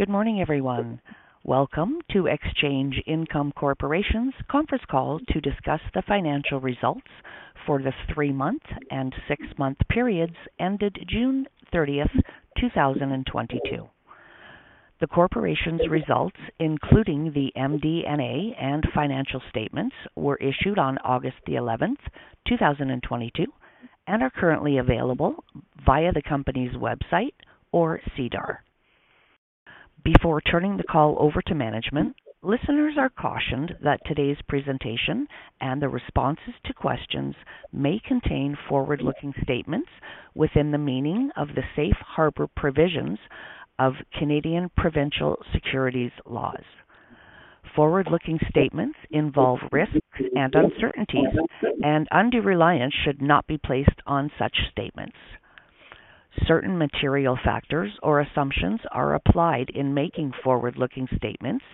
Good morning, everyone. Welcome to Exchange Income Corporation's Conference Call to discuss the financial results for the three-month and six-month periods ended June 30th, 2022. The corporation's results, including the MD&A and financial statements, were issued on August 11th, 2022, and are currently available via the company's website or SEDAR. Before turning the call over to management, listeners are cautioned that today's presentation and the responses to questions may contain forward-looking statements within the meaning of the safe harbor provisions of Canadian provincial securities laws. Forward-looking statements involve risks and uncertainties, and undue reliance should not be placed on such statements. Certain material factors or assumptions are applied in making forward-looking statements,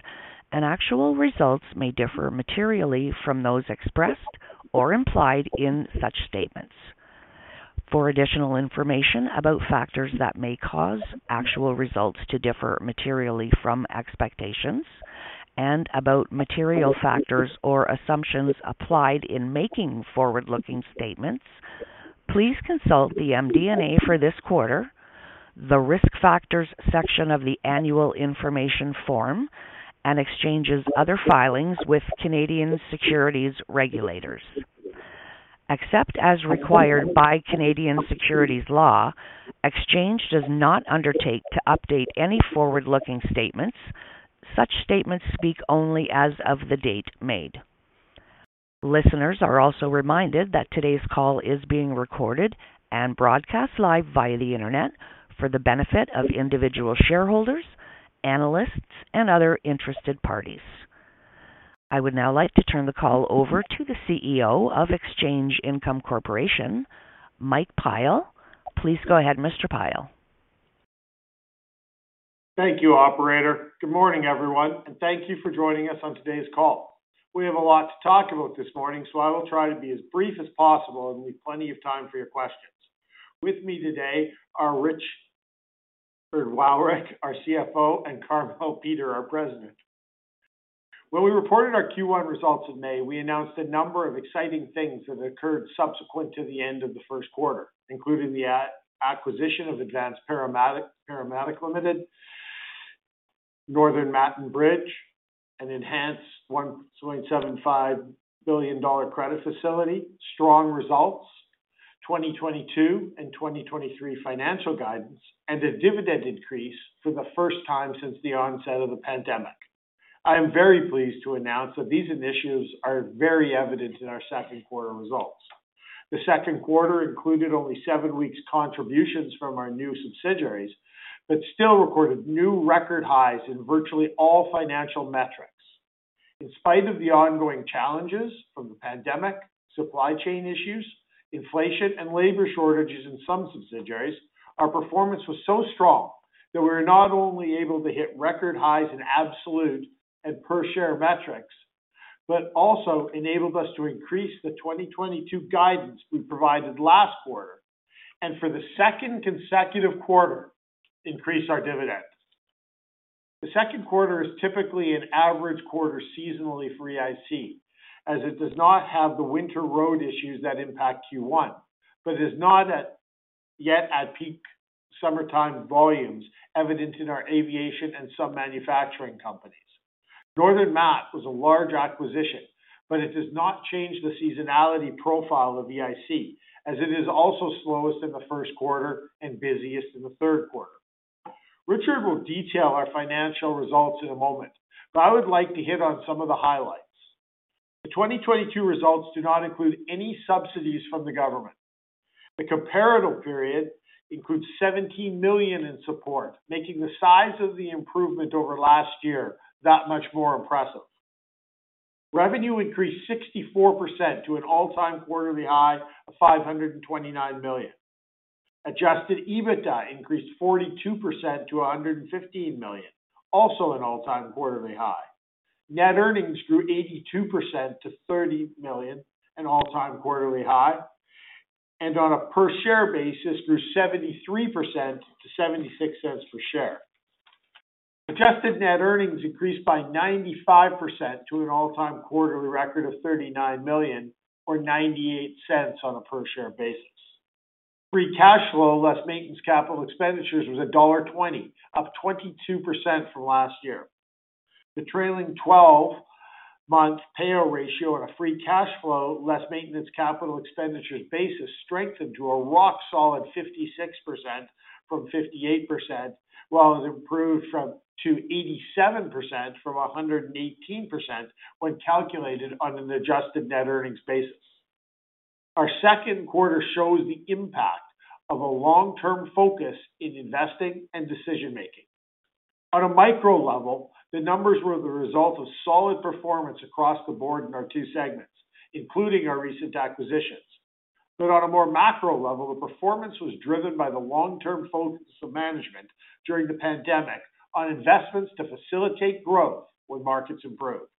and actual results may differ materially from those expressed or implied in such statements. For additional information about factors that may cause actual results to differ materially from expectations and about material factors or assumptions applied in making forward-looking statements, please consult the MD&A for this quarter, the Risk Factors section of the Annual Information Form, and Exchange's other filings with Canadian securities regulators. Except as required by Canadian securities law, Exchange does not undertake to update any forward-looking statements. Such statements speak only as of the date made. Listeners are also reminded that today's call is being recorded and broadcast live via the Internet for the benefit of individual shareholders, analysts, and other interested parties. I would now like to turn the call over to the CEO of Exchange Income Corporation, Mike Pyle. Please go ahead, Mr. Pyle. Thank you, operator. Good morning, everyone, and thank you for joining us on today's call. We have a lot to talk about this morning, so I will try to be as brief as possible and leave plenty of time for your questions. With me today are Richard Wowryk, our CFO, and Carmele Peter, our President. When we reported our Q1 results in May, we announced a number of exciting things that occurred subsequent to the end of the first quarter, including the acquisition of Advanced Paramedic Limited, Northern Mat & Bridge, an enhanced $1.75 billion credit facility, strong results, 2022 and 2023 financial guidance, and a dividend increase for the first time since the onset of the pandemic. I am very pleased to announce that these initiatives are very evident in our second quarter results. The second quarter included only seven weeks contributions from our new subsidiaries, but still recorded new record highs in virtually all financial metrics. In spite of the ongoing challenges from the pandemic, supply chain issues, inflation, and labor shortages in some subsidiaries, our performance was so strong that we were not only able to hit record highs in absolute and per-share metrics, but also enabled us to increase the 2022 guidance we provided last quarter, and for the second consecutive quarter, increase our dividends. The second quarter is typically an average quarter seasonally for EIC, as it does not have the winter road issues that impact Q1, but is not yet at peak summertime volumes evident in our aviation and some manufacturing companies. Northern Mat & Bridge was a large acquisition, but it does not change the seasonality profile of EIC, as it is also slowest in the first quarter and busiest in the third quarter. Richard will detail our financial results in a moment, but I would like to hit on some of the highlights. The 2022 results do not include any subsidies from the government. The comparative period includes $17 million in support, making the size of the improvement over last year that much more impressive. Revenue increased 64% to an all-time quarterly high of $529 million. Adjusted EBITDA increased 42% to $115 million, also an all-time quarterly high. Net earnings grew 82% to $30 million, an all-time quarterly high, and on a per-share basis grew 73% to $ 0.76 per share. Adjusted net earnings increased by 95% to an all-time quarterly record of $39 million or $0.98 on a per-share basis. Free cash flow, less maintenance capital expenditures was $1.20, up 22% from last year. The trailing 12-month payout ratio on a free cash flow, less maintenance capital expenditures basis strengthened to a rock-solid 56% from 58%, while it improved to 87% from 118% when calculated on an adjusted net earnings basis. Our second quarter shows the impact of a long-term focus in investing and decision-making. On a micro level, the numbers were the result of solid performance across the board in our two segments, including our recent acquisitions. On a more macro level, the performance was driven by the long-term focus of management during the pandemic on investments to facilitate growth when markets improved.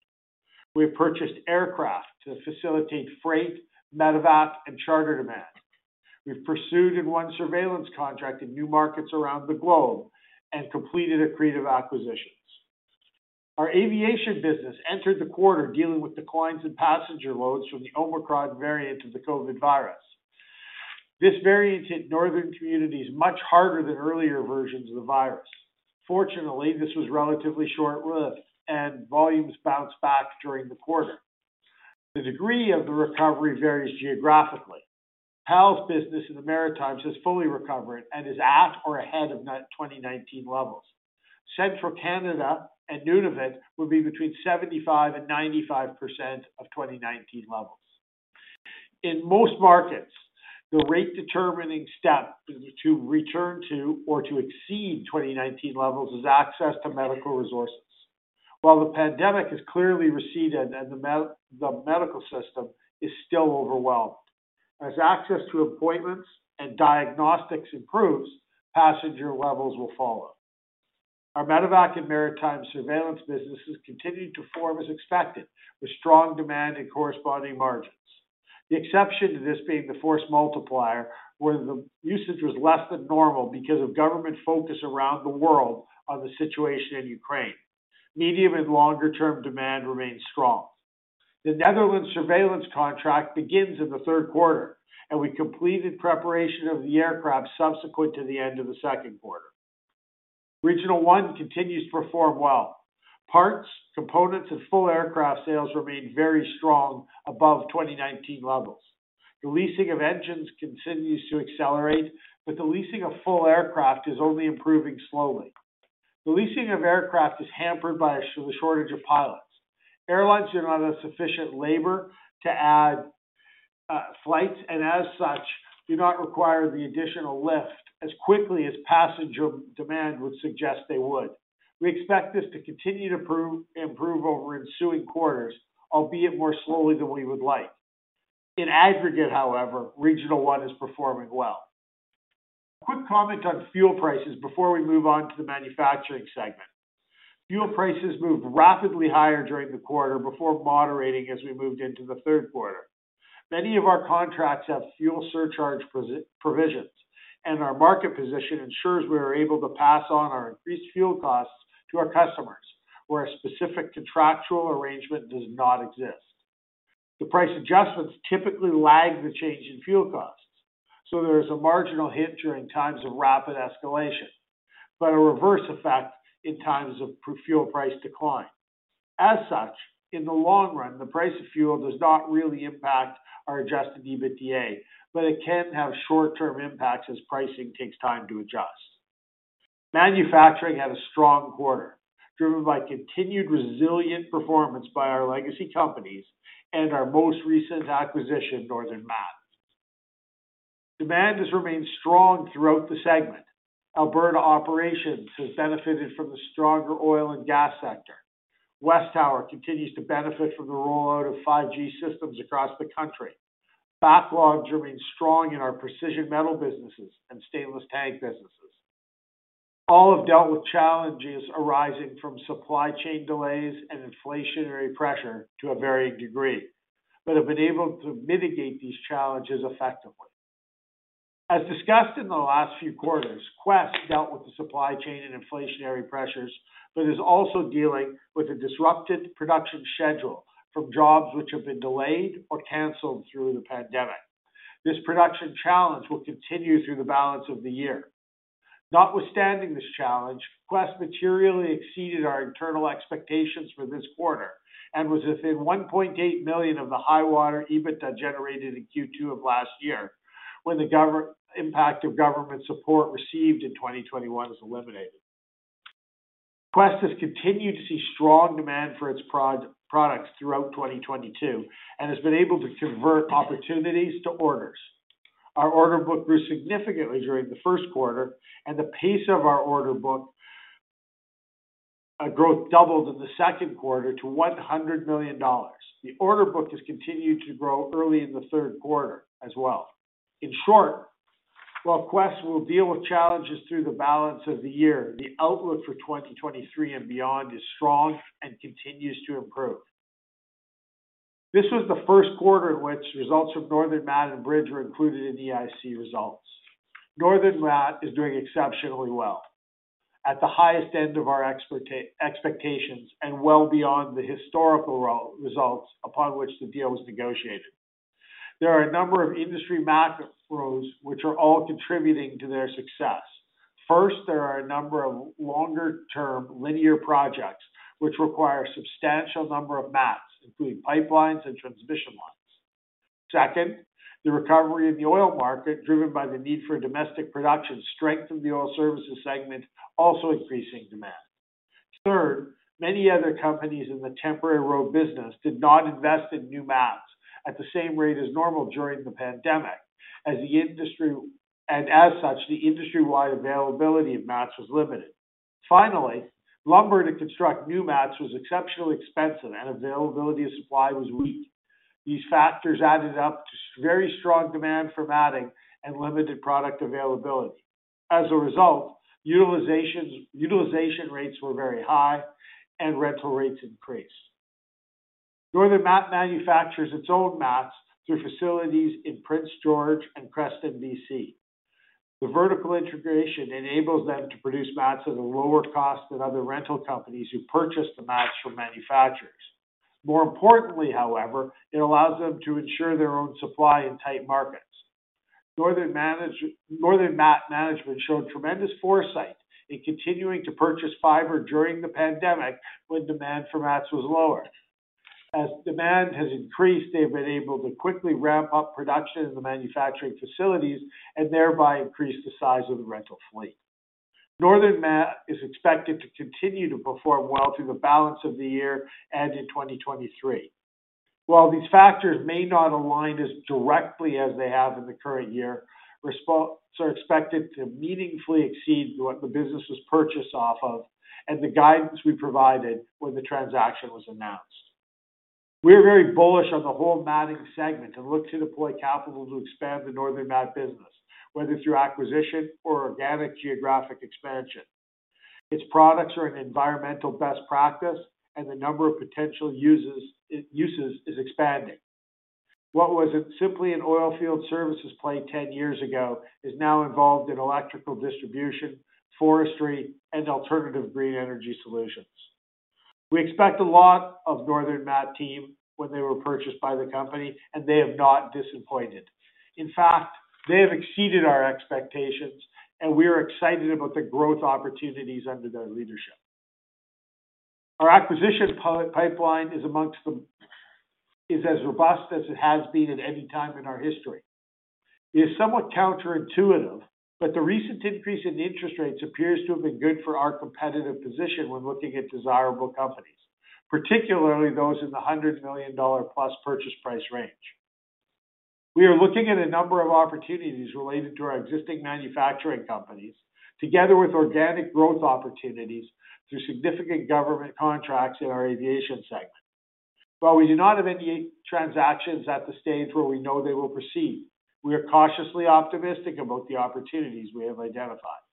We have purchased aircraft to facilitate freight, Medevac, and charter demand. We've pursued and won surveillance contract in new markets around the globe and completed accretive acquisitions. Our aviation business entered the quarter dealing with declines in passenger loads from the Omicron variant of the COVID virus. This variant hit northern communities much harder than earlier versions of the virus. Fortunately, this was relatively short-lived, and volumes bounced back during the quarter. The degree of the recovery varies geographically. PAL's business in the Maritimes has fully recovered and is at or ahead of 2019 levels. Central Canada and Nunavut will be between 75%-95% of 2019 levels. In most markets, the rate determining step to return to or to exceed 2019 levels is access to medical resources. While the pandemic has clearly receded and the medical system is still overwhelmed, as access to appointments and diagnostics improves, passenger levels will follow. Our Medevac and maritime surveillance businesses continued to perform as expected, with strong demand and corresponding margins. The exception to this being the force multiplier, where the usage was less than normal because of government focus around the world on the situation in Ukraine. Medium and longer-term demand remains strong. The Netherlands surveillance contract begins in the third quarter, and we completed preparation of the aircraft subsequent to the end of the second quarter. Regional One continues to perform well. Parts, components, and full aircraft sales remain very strong above 2019 levels. The leasing of engines continues to accelerate, but the leasing of full aircraft is only improving slowly. The leasing of aircraft is hampered by a shortage of pilots. Airlines do not have sufficient labor to add flights and, as such, do not require the additional lift as quickly as passenger demand would suggest they would. We expect this to continue to improve over ensuing quarters, albeit more slowly than we would like. In aggregate, however, Regional One is performing well. A quick comment on fuel prices before we move on to the manufacturing segment. Fuel prices moved rapidly higher during the quarter before moderating as we moved into the third quarter. Many of our contracts have fuel surcharge provisions, and our market position ensures we are able to pass on our increased fuel costs to our customers, where a specific contractual arrangement does not exist. The price adjustments typically lag the change in fuel costs, so there is a marginal hit during times of rapid escalation, but a reverse effect in times of prior fuel price decline. As such, in the long run, the price of fuel does not really impact our adjusted EBITDA, but it can have short-term impacts as pricing takes time to adjust. Manufacturing had a strong quarter, driven by continued resilient performance by our legacy companies and our most recent acquisition, Northern Mat. Demand has remained strong throughout the segment. Alberta operations has benefited from the stronger oil and gas sector. WesTower continues to benefit from the rollout of 5G systems across the country. Backlogs remain strong in our precision metal businesses and stainless tank businesses. All have dealt with challenges arising from supply chain delays and inflationary pressure to a varying degree, but have been able to mitigate these challenges effectively. As discussed in the last few quarters, Quest dealt with the supply chain and inflationary pressures, but is also dealing with a disrupted production schedule from jobs which have been delayed or canceled through the pandemic. This production challenge will continue through the balance of the year. Notwithstanding this challenge, Quest materially exceeded our internal expectations for this quarter and was within $1.8 million of the high water EBITDA generated in Q2 of last year when the impact of government support received in 2021 was eliminated. Quest has continued to see strong demand for its products throughout 2022 and has been able to convert opportunities to orders. Our order book grew significantly during the first quarter and the pace of our order book growth doubled in the second quarter to m$100 million. The order book has continued to grow early in the third quarter as well. In short, while Quest will deal with challenges through the balance of the year, the outlook for 2023 and beyond is strong and continues to improve. This was the first quarter in which results from Northern Mat & Bridge were included in the EIC results. Northern Mat & Bridge is doing exceptionally well, at the highest end of our expectations and well beyond the historical results upon which the deal was negotiated. There are a number of industry mat flows which are all contributing to their success. First, there are a number of longer-term linear projects which require a substantial number of mats, including pipelines and transmission lines. Second, the recovery in the oil market, driven by the need for domestic production, strengthened the oil services segment, also increasing demand. Third, many other companies in the temporary road business did not invest in new mats at the same rate as normal during the pandemic as such, the industry-wide availability of mats was limited. Finally, lumber to construct new mats was exceptionally expensive and availability of supply was weak. These factors added up to very strong demand for matting and limited product availability. As a result, utilization rates were very high and rental rates increased. Northern Mat manufactures its own mats through facilities in Prince George and Creston, B.C. The vertical integration enables them to produce mats at a lower cost than other rental companies who purchase the mats from manufacturers. More importantly, however, it allows them to ensure their own supply in tight markets. Northern Mat management showed tremendous foresight in continuing to purchase fiber during the pandemic when demand for mats was lower. As demand has increased, they've been able to quickly ramp up production in the manufacturing facilities and thereby increase the size of the rental fleet. Northern Mat is expected to continue to perform well through the balance of the year and in 2023. While these factors may not align as directly as they have in the current year, results are expected to meaningfully exceed what the business was purchased off of and the guidance we provided when the transaction was announced. We are very bullish on the whole matting segment and look to deploy capital to expand the Northern Mat business, whether through acquisition or organic geographic expansion. Its products are an environmental best practice, and the number of potential uses is expanding. What was simply an oilfield services play 10 years ago is now involved in electrical distribution, forestry, and alternative green energy solutions. We expect a lot of Northern Mat team when they were purchased by the company, and they have not disappointed. In fact, they have exceeded our expectations, and we are excited about the growth opportunities under their leadership. Our acquisition pipeline is as robust as it has been at any time in our history. It is somewhat counterintuitive, but the recent increase in interest rates appears to have been good for our competitive position when looking at desirable companies, particularly those in the $100 million plus purchase price range. We are looking at a number of opportunities related to our existing manufacturing companies, together with organic growth opportunities through significant government contracts in our aviation segment. While we do not have any transactions at the stage where we know they will proceed, we are cautiously optimistic about the opportunities we have identified.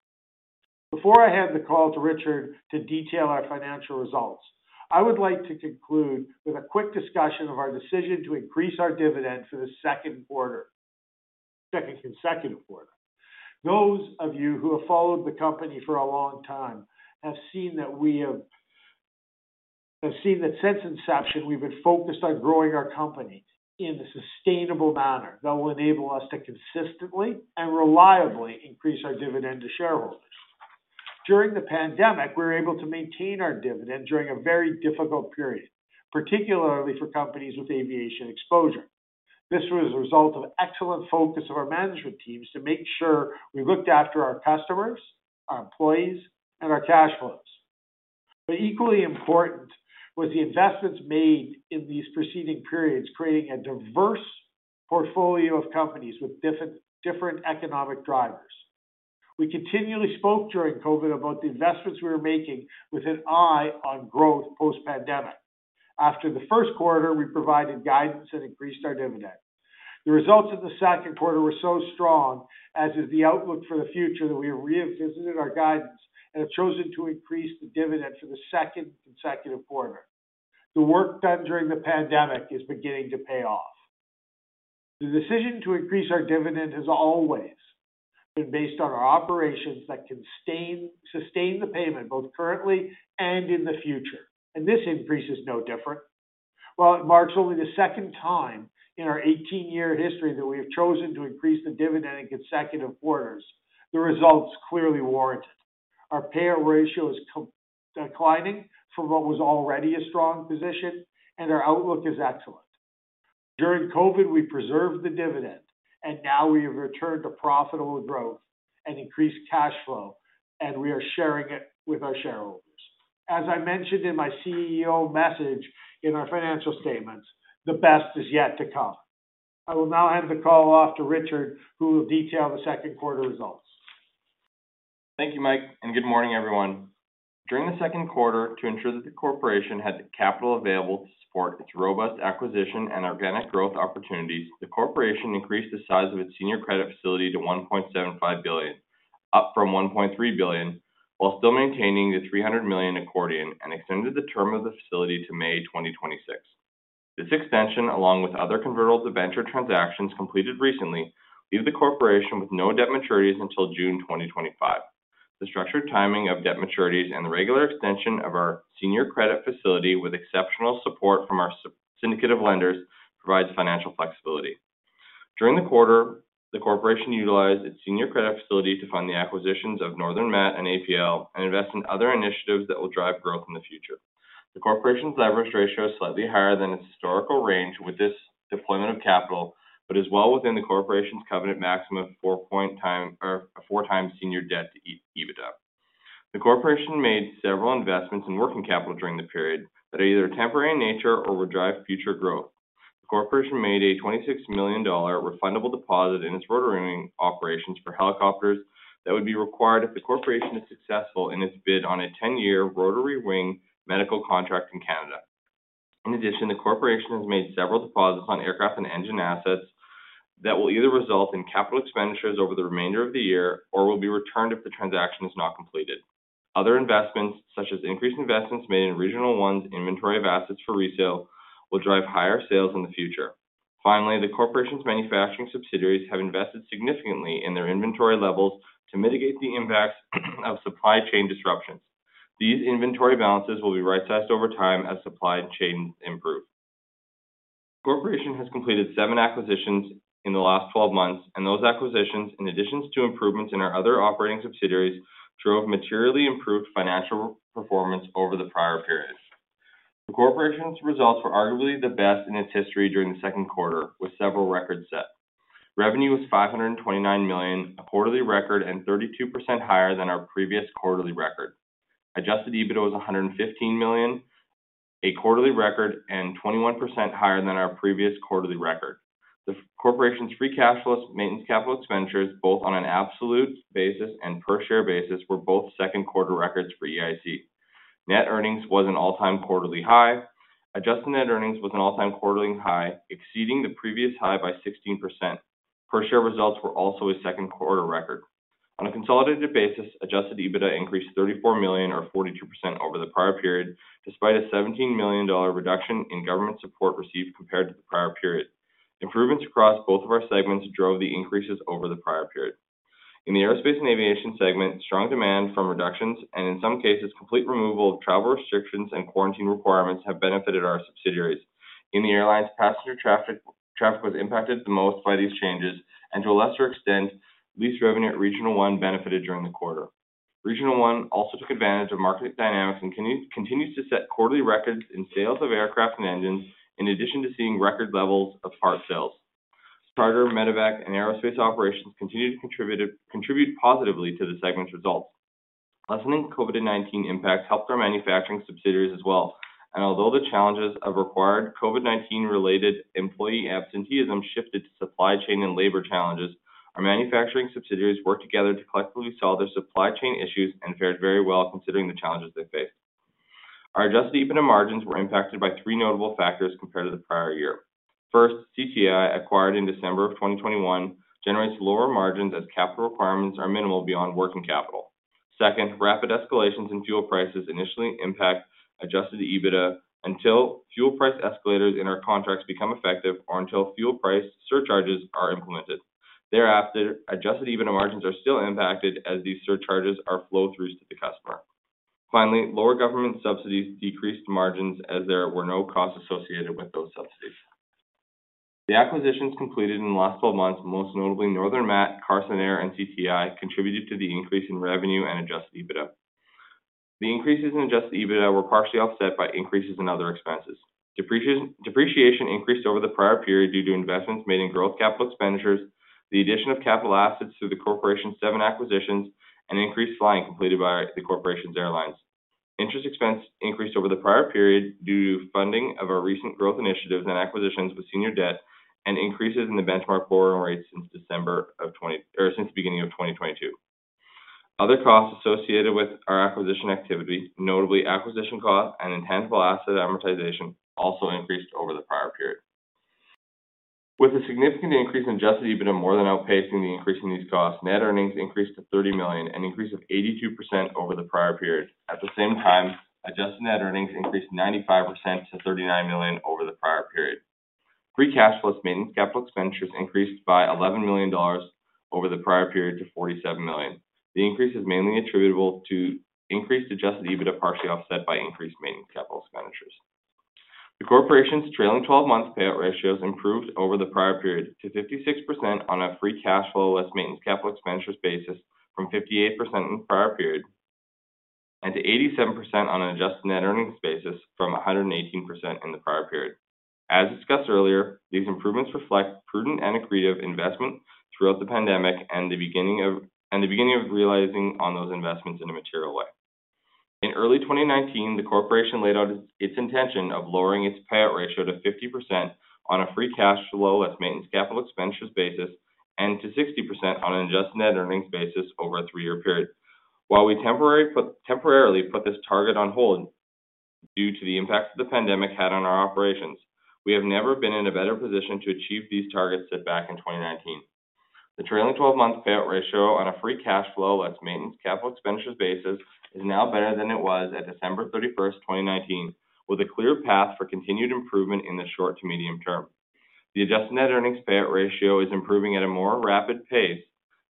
Before I hand the call to Richard to detail our financial results, I would like to conclude with a quick discussion of our decision to increase our dividend for the second quarter, second consecutive quarter. Those of you who have followed the company for a long time have seen that since inception, we've been focused on growing our company in a sustainable manner that will enable us to consistently and reliably increase our dividend to shareholders. During the pandemic, we were able to maintain our dividend during a very difficult period, particularly for companies with aviation exposure. This was a result of excellent focus of our management teams to make sure we looked after our customers, our employees, and our cash flows. Equally important was the investments made in these preceding periods, creating a diverse portfolio of companies with different economic drivers. We continually spoke during COVID about the investments we were making with an eye on growth post-pandemic. After the first quarter, we provided guidance and increased our dividend. The results of the second quarter were so strong, as is the outlook for the future, that we have revisited our guidance and have chosen to increase the dividend for the second consecutive quarter. The work done during the pandemic is beginning to pay off. The decision to increase our dividend has always been based on our operations that can sustain the payment both currently and in the future, and this increase is no different. While it marks only the second time in our 18 year history that we have chosen to increase the dividend in consecutive quarters, the results clearly warrant it. Our payout ratio is declining from what was already a strong position, and our outlook is excellent. During COVID, we preserved the dividend, and now we have returned to profitable growth and increased cash flow, and we are sharing it with our shareholders. As I mentioned in my CEO message in our financial statements, the best is yet to come. I will now hand the call off to Richard, who will detail the second quarter results. Thank you, Mike, and good morning, everyone. During the second quarter, to ensure that the corporation had the capital available to support its robust acquisition and organic growth opportunities, the corporation increased the size of its senior credit facility to $1.75 billion, up from $1.3 billion, while still maintaining the $300 million accordion and extended the term of the facility to May 2026. This extension, along with other convertible debenture transactions completed recently, leave the corporation with no debt maturities until June 2025. The structured timing of debt maturities and the regular extension of our senior credit facility with exceptional support from our syndicate of lenders provides financial flexibility. During the quarter, the corporation utilized its senior credit facility to fund the acquisitions of Northern Mat & Bridge and APL and invest in other initiatives that will drive growth in the future. The corporation's leverage ratio is slightly higher than its historical range with this deployment of capital but is well within the corporation's covenant maximum of 4.1x or a 4x senior debt to EBITDA. The corporation made several investments in working capital during the period that are either temporary in nature or will drive future growth. The corporation made a $26 million refundable deposit in its rotary wing operations for helicopters. That would be required if the corporation is successful in its bid on a 10 year rotary wing medical contract in Canada. In addition, the corporation has made several deposits on aircraft and engine assets that will either result in capital expenditures over the remainder of the year or will be returned if the transaction is not completed. Other investments, such as increased investments made in Regional One's inventory of assets for resale, will drive higher sales in the future. Finally, the corporation's manufacturing subsidiaries have invested significantly in their inventory levels to mitigate the impacts of supply chain disruptions. These inventory balances will be right-sized over time as supply chain improve. Corporation has completed seven acquisitions in the last 12 months, and those acquisitions, in addition to improvements in our other operating subsidiaries, drove materially improved financial performance over the prior periods. The corporation's results were arguably the best in its history during the second quarter, with several records set. Revenue was $529 million, a quarterly record and 32% higher than our previous quarterly record. Adjusted EBITDA was $115 million, a quarterly record and 21% higher than our previous quarterly record. The corporation's free cash less maintenance capital expenditures, both on an absolute basis and per share basis, were both second quarter records for EIC. Net earnings was an all-time quarterly high. Adjusted net earnings was an all-time quarterly high, exceeding the previous high by 16%. Per share results were also a second quarter record. On a consolidated basis, adjusted EBITDA increased $34 million or 42% over the prior period, despite a $17 million dollar reduction in government support received compared to the prior period. Improvements across both of our segments drove the increases over the prior period. In the Aerospace and Aviation segment, strong demand from reductions, and in some cases, complete removal of travel restrictions and quarantine requirements have benefited our subsidiaries. In the airlines, passenger traffic was impacted the most by these changes, and to a lesser extent, lease revenue at Regional One benefited during the quarter. Regional One also took advantage of market dynamics and continues to set quarterly records in sales of aircraft and engines, in addition to seeing record levels of part sales. Charter, Medevac, and aerospace operations continued to contribute positively to the segment's results. Lessening COVID-19 impacts helped our manufacturing subsidiaries as well. Although the challenges of required COVID-19-related employee absenteeism shifted to supply chain and labor challenges, our manufacturing subsidiaries worked together to collectively solve their supply chain issues and fared very well considering the challenges they faced. Our adjusted EBITDA margins were impacted by three notable factors compared to the prior year. First, CTI, acquired in December of 2021, generates lower margins as capital requirements are minimal beyond working capital. Second, rapid escalations in fuel prices initially impact adjusted EBITDA until fuel price escalators in our contracts become effective or until fuel price surcharges are implemented. Thereafter, adjusted EBITDA margins are still impacted as these surcharges are flow-throughs to the customer. Finally, lower government subsidies decreased margins as there were no costs associated with those subsidies. The acquisitions completed in the last 12 months, most notably Northern Mat & Bridge, Carson Air, and CTI, contributed to the increase in revenue and adjusted EBITDA. The increases in adjusted EBITDA were partially offset by increases in other expenses. Depreciation increased over the prior period due to investments made in growth capital expenditures, the addition of capital assets through the corporation's 7 acquisitions, and increased flying completed by the corporation's airlines. Interest expense increased over the prior period due to funding of our recent growth initiatives and acquisitions with senior debt and increases in the benchmark borrowing rates since the beginning of 2022. Other costs associated with our acquisition activity, notably acquisition costs and intangible asset amortization, also increased over the prior period. With a significant increase in adjusted EBITDA more than outpacing the increase in these costs, net earnings increased to $30 million, an increase of 82% over the prior period. At the same time, adjusted net earnings increased 95% to $39 million over the prior period. Free cash less maintenance capital expenditures increased by $11 million over the prior period to $47 million. The increase is mainly attributable to increased adjusted EBITDA partially offset by increased maintenance capital expenditures. The corporation's trailing 12 month payout ratios improved over the prior period to 56% on a free cash flow less maintenance capital expenditures basis from 58% in the prior period, and to 87% on an adjusted net earnings basis from 118% in the prior period. As discussed earlier, these improvements reflect prudent and accretive investment throughout the pandemic and the beginning of realizing on those investments in a material way. In early 2019, the corporation laid out its intention of lowering its payout ratio to 50% on a free cash flow less maintenance capital expenditures basis and to 60% on an adjusted net earnings basis over a three year period. While we temporarily put this target on hold due to the impacts the pandemic had on our operations, we have never been in a better position to achieve these targets set back in 2019. The trailing 12-month payout ratio on a free cash flow less maintenance capital expenditures basis is now better than it was at December 31st, 2019, with a clear path for continued improvement in the short to medium term. The adjusted net earnings payout ratio is improving at a more rapid pace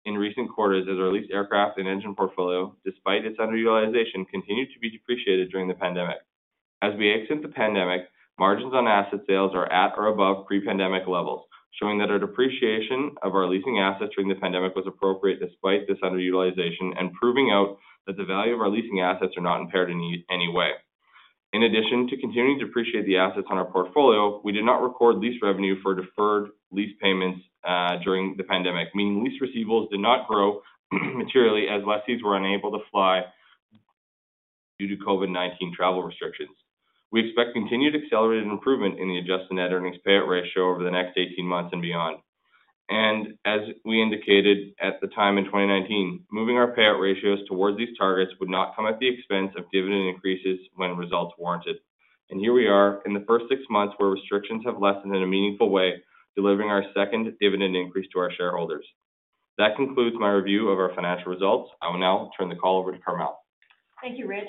in recent quarters as our leased aircraft and engine portfolio, despite its underutilization, continued to be depreciated during the pandemic. As we exit the pandemic, margins on asset sales are at or above pre-pandemic levels, showing that our depreciation of our leasing assets during the pandemic was appropriate despite this underutilization and proving out that the value of our leasing assets are not impaired in any way. In addition to continuing to depreciate the assets on our portfolio, we did not record lease revenue for deferred lease payments during the pandemic, meaning lease receivables did not grow materially as lessees were unable to fly due to COVID-19 travel restrictions. We expect continued accelerated improvement in the adjusted net earnings payout ratio over the next 18 months and beyond. As we indicated at the time in 2019, moving our payout ratios towards these targets would not come at the expense of dividend increases when results warranted. Here we are in the first six months where restrictions have lessened in a meaningful way, delivering our second dividend increase to our shareholders. That concludes my review of our financial results. I will now turn the call over to Carmele. Thank you, Rich.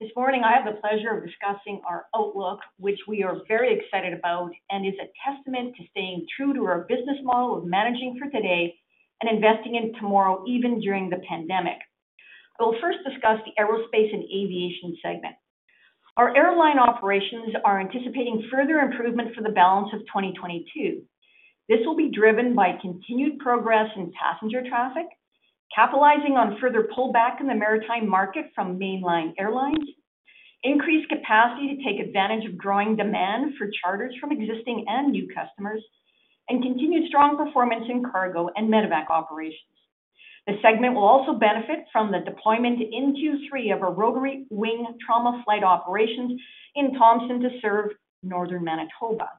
This morning, I have the pleasure of discussing our outlook, which we are very excited about and is a testament to staying true to our business model of managing for today and investing in tomorrow, even during the pandemic. We'll first discuss the Aerospace & Aviation segment. Our airline operations are anticipating further improvement for the balance of 2022. This will be driven by continued progress in passenger traffic, capitalizing on further pullback in the Maritimes market from mainline airlines, increased capacity to take advantage of growing demand for charters from existing and new customers, and continued strong performance in cargo and Medevac operations. The segment will also benefit from the deployment in Q3 of our rotary wing Trauma Flight operations in Thompson to serve Northern Manitoba.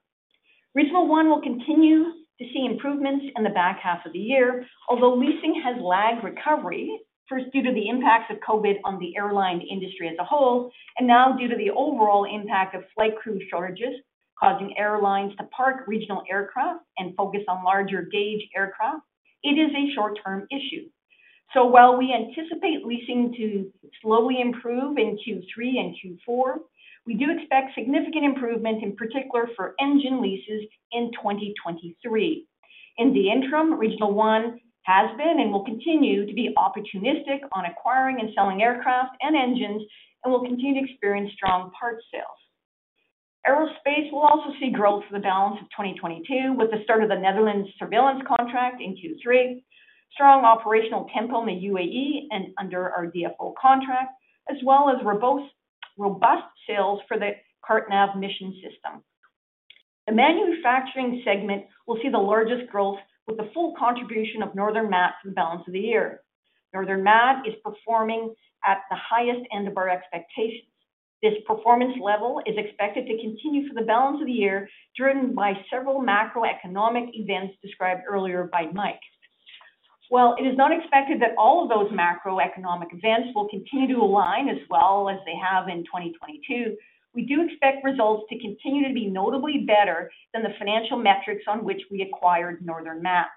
Regional One will continue to see improvements in the back half of the year. Although leasing has lagged recovery, first due to the impacts of COVID on the airline industry as a whole, and now due to the overall impact of flight crew shortages causing airlines to park regional aircraft and focus on larger gauge aircraft, it is a short-term issue. While we anticipate leasing to slowly improve in Q3 and Q4, we do expect significant improvement, in particular for engine leases in 2023. In the interim, Regional One has been and will continue to be opportunistic on acquiring and selling aircraft and engines, and will continue to experience strong parts sales. Aerospace will also see growth for the balance of 2022 with the start of the Netherlands surveillance contract in Q3, strong operational tempo in the UAE and under our DFO contract, as well as robust sales for the CartNav mission system. The manufacturing segment will see the largest growth with the full contribution of Northern Mat for the balance of the year. Northern Mat is performing at the highest end of our expectations. This performance level is expected to continue for the balance of the year, driven by several macroeconomic events described earlier by Mike. While it is not expected that all of those macroeconomic events will continue to align as well as they have in 2022, we do expect results to continue to be notably better than the financial metrics on which we acquired Northern Mat.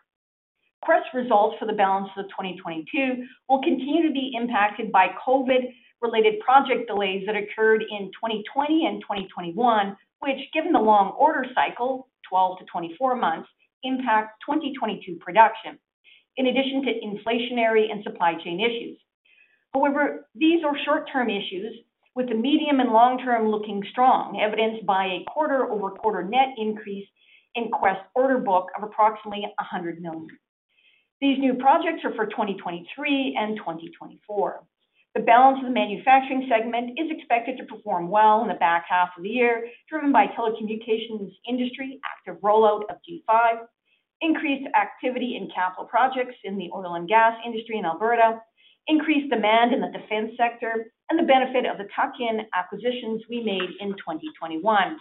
Quest results for the balance of 2022 will continue to be impacted by COVID-related project delays that occurred in 2020 and 2021, which given the long order cycle, 12-24 months, impacts 2022 production, in addition to inflationary and supply chain issues. However, these are short-term issues with the medium and long term looking strong, evidenced by a quarter-over-quarter net increase in Quest order book of approximately $ 100 million. These new projects are for 2023 and 2024. The balance of the manufacturing segment is expected to perform well in the back half of the year, driven by telecommunications industry active rollout of 5G, increased activity in capital projects in the oil and gas industry in Alberta, increased demand in the defense sector, and the benefit of the tuck-in acquisitions we made in 2021.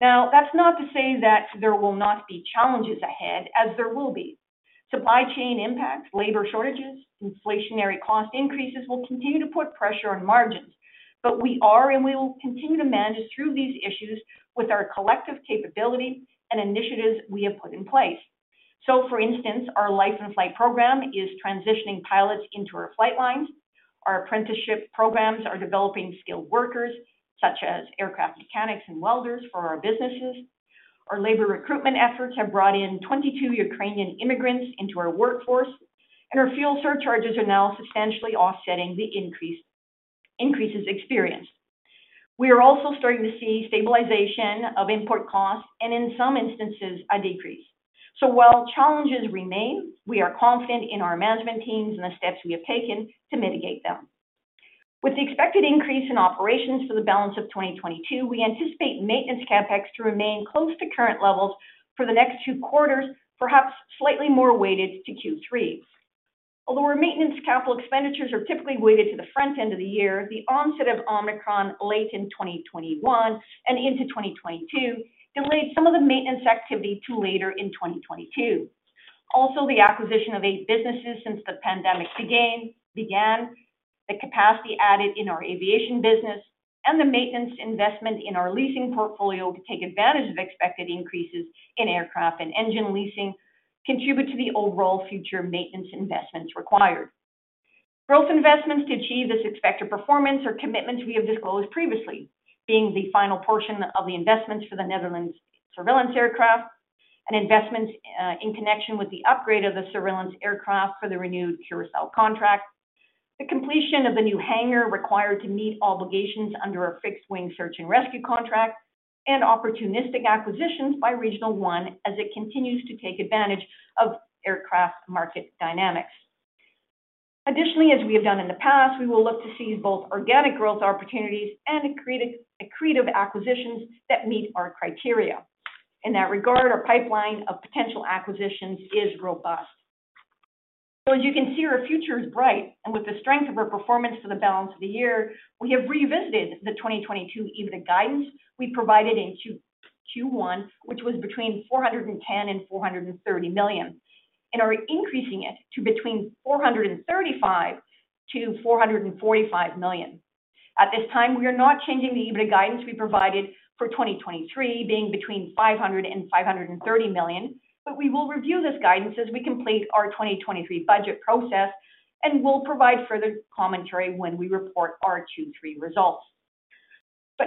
Now, that's not to say that there will not be challenges ahead as there will be. Supply chain impacts, labor shortages, inflationary cost increases will continue to put pressure on margins. But we are and will continue to manage through these issues with our collective capability and initiatives we have put in place. For instance, our license flight program is transitioning pilots into our flight lines. Our apprenticeship programs are developing skilled workers such as aircraft mechanics and welders for our businesses. Our labor recruitment efforts have brought in 22 Ukrainian immigrants into our workforce, and our fuel surcharges are now substantially offsetting the increases experienced. We are also starting to see stabilization of import costs, and in some instances, a decrease. While challenges remain, we are confident in our management teams and the steps we have taken to mitigate them. With the expected increase in operations for the balance of 2022, we anticipate maintenance CapEx to remain close to current levels for the next two quarters, perhaps slightly more weighted to Q3. Although our maintenance capital expenditures are typically weighted to the front end of the year, the onset of Omicron late in 2021 and into 2022 delayed some of the maintenance activity to later in 2022. Also, the acquisition of eight businesses since the pandemic began, the capacity added in our aviation business, and the maintenance investment in our leasing portfolio to take advantage of expected increases in aircraft and engine leasing contribute to the overall future maintenance investments required. Growth investments to achieve this expected performance or commitments we have disclosed previously, being the final portion of the investments for the Netherlands surveillance aircraft and investments in connection with the upgrade of the surveillance aircraft for the renewed Curaçao contract. The completion of the new hangar required to meet obligations under our fixed-wing search and rescue contract, and opportunistic acquisitions by Regional One as it continues to take advantage of aircraft market dynamics. Additionally, as we have done in the past, we will look to seize both organic growth opportunities and accretive acquisitions that meet our criteria. In that regard, our pipeline of potential acquisitions is robust. As you can see, our future is bright. With the strength of our performance for the balance of the year, we have revisited the 2022 EBITDA guidance we provided in Q1, which was between $ 410 million-$ 430 million, and are increasing it to between $ 435 million-$ 445 million. At this time, we are not changing the EBITDA guidance we provided for 2023 being between $ 500 million-$ 530 million. We will review this guidance as we complete our 2023 budget process and will provide further commentary when we report our Q3 results.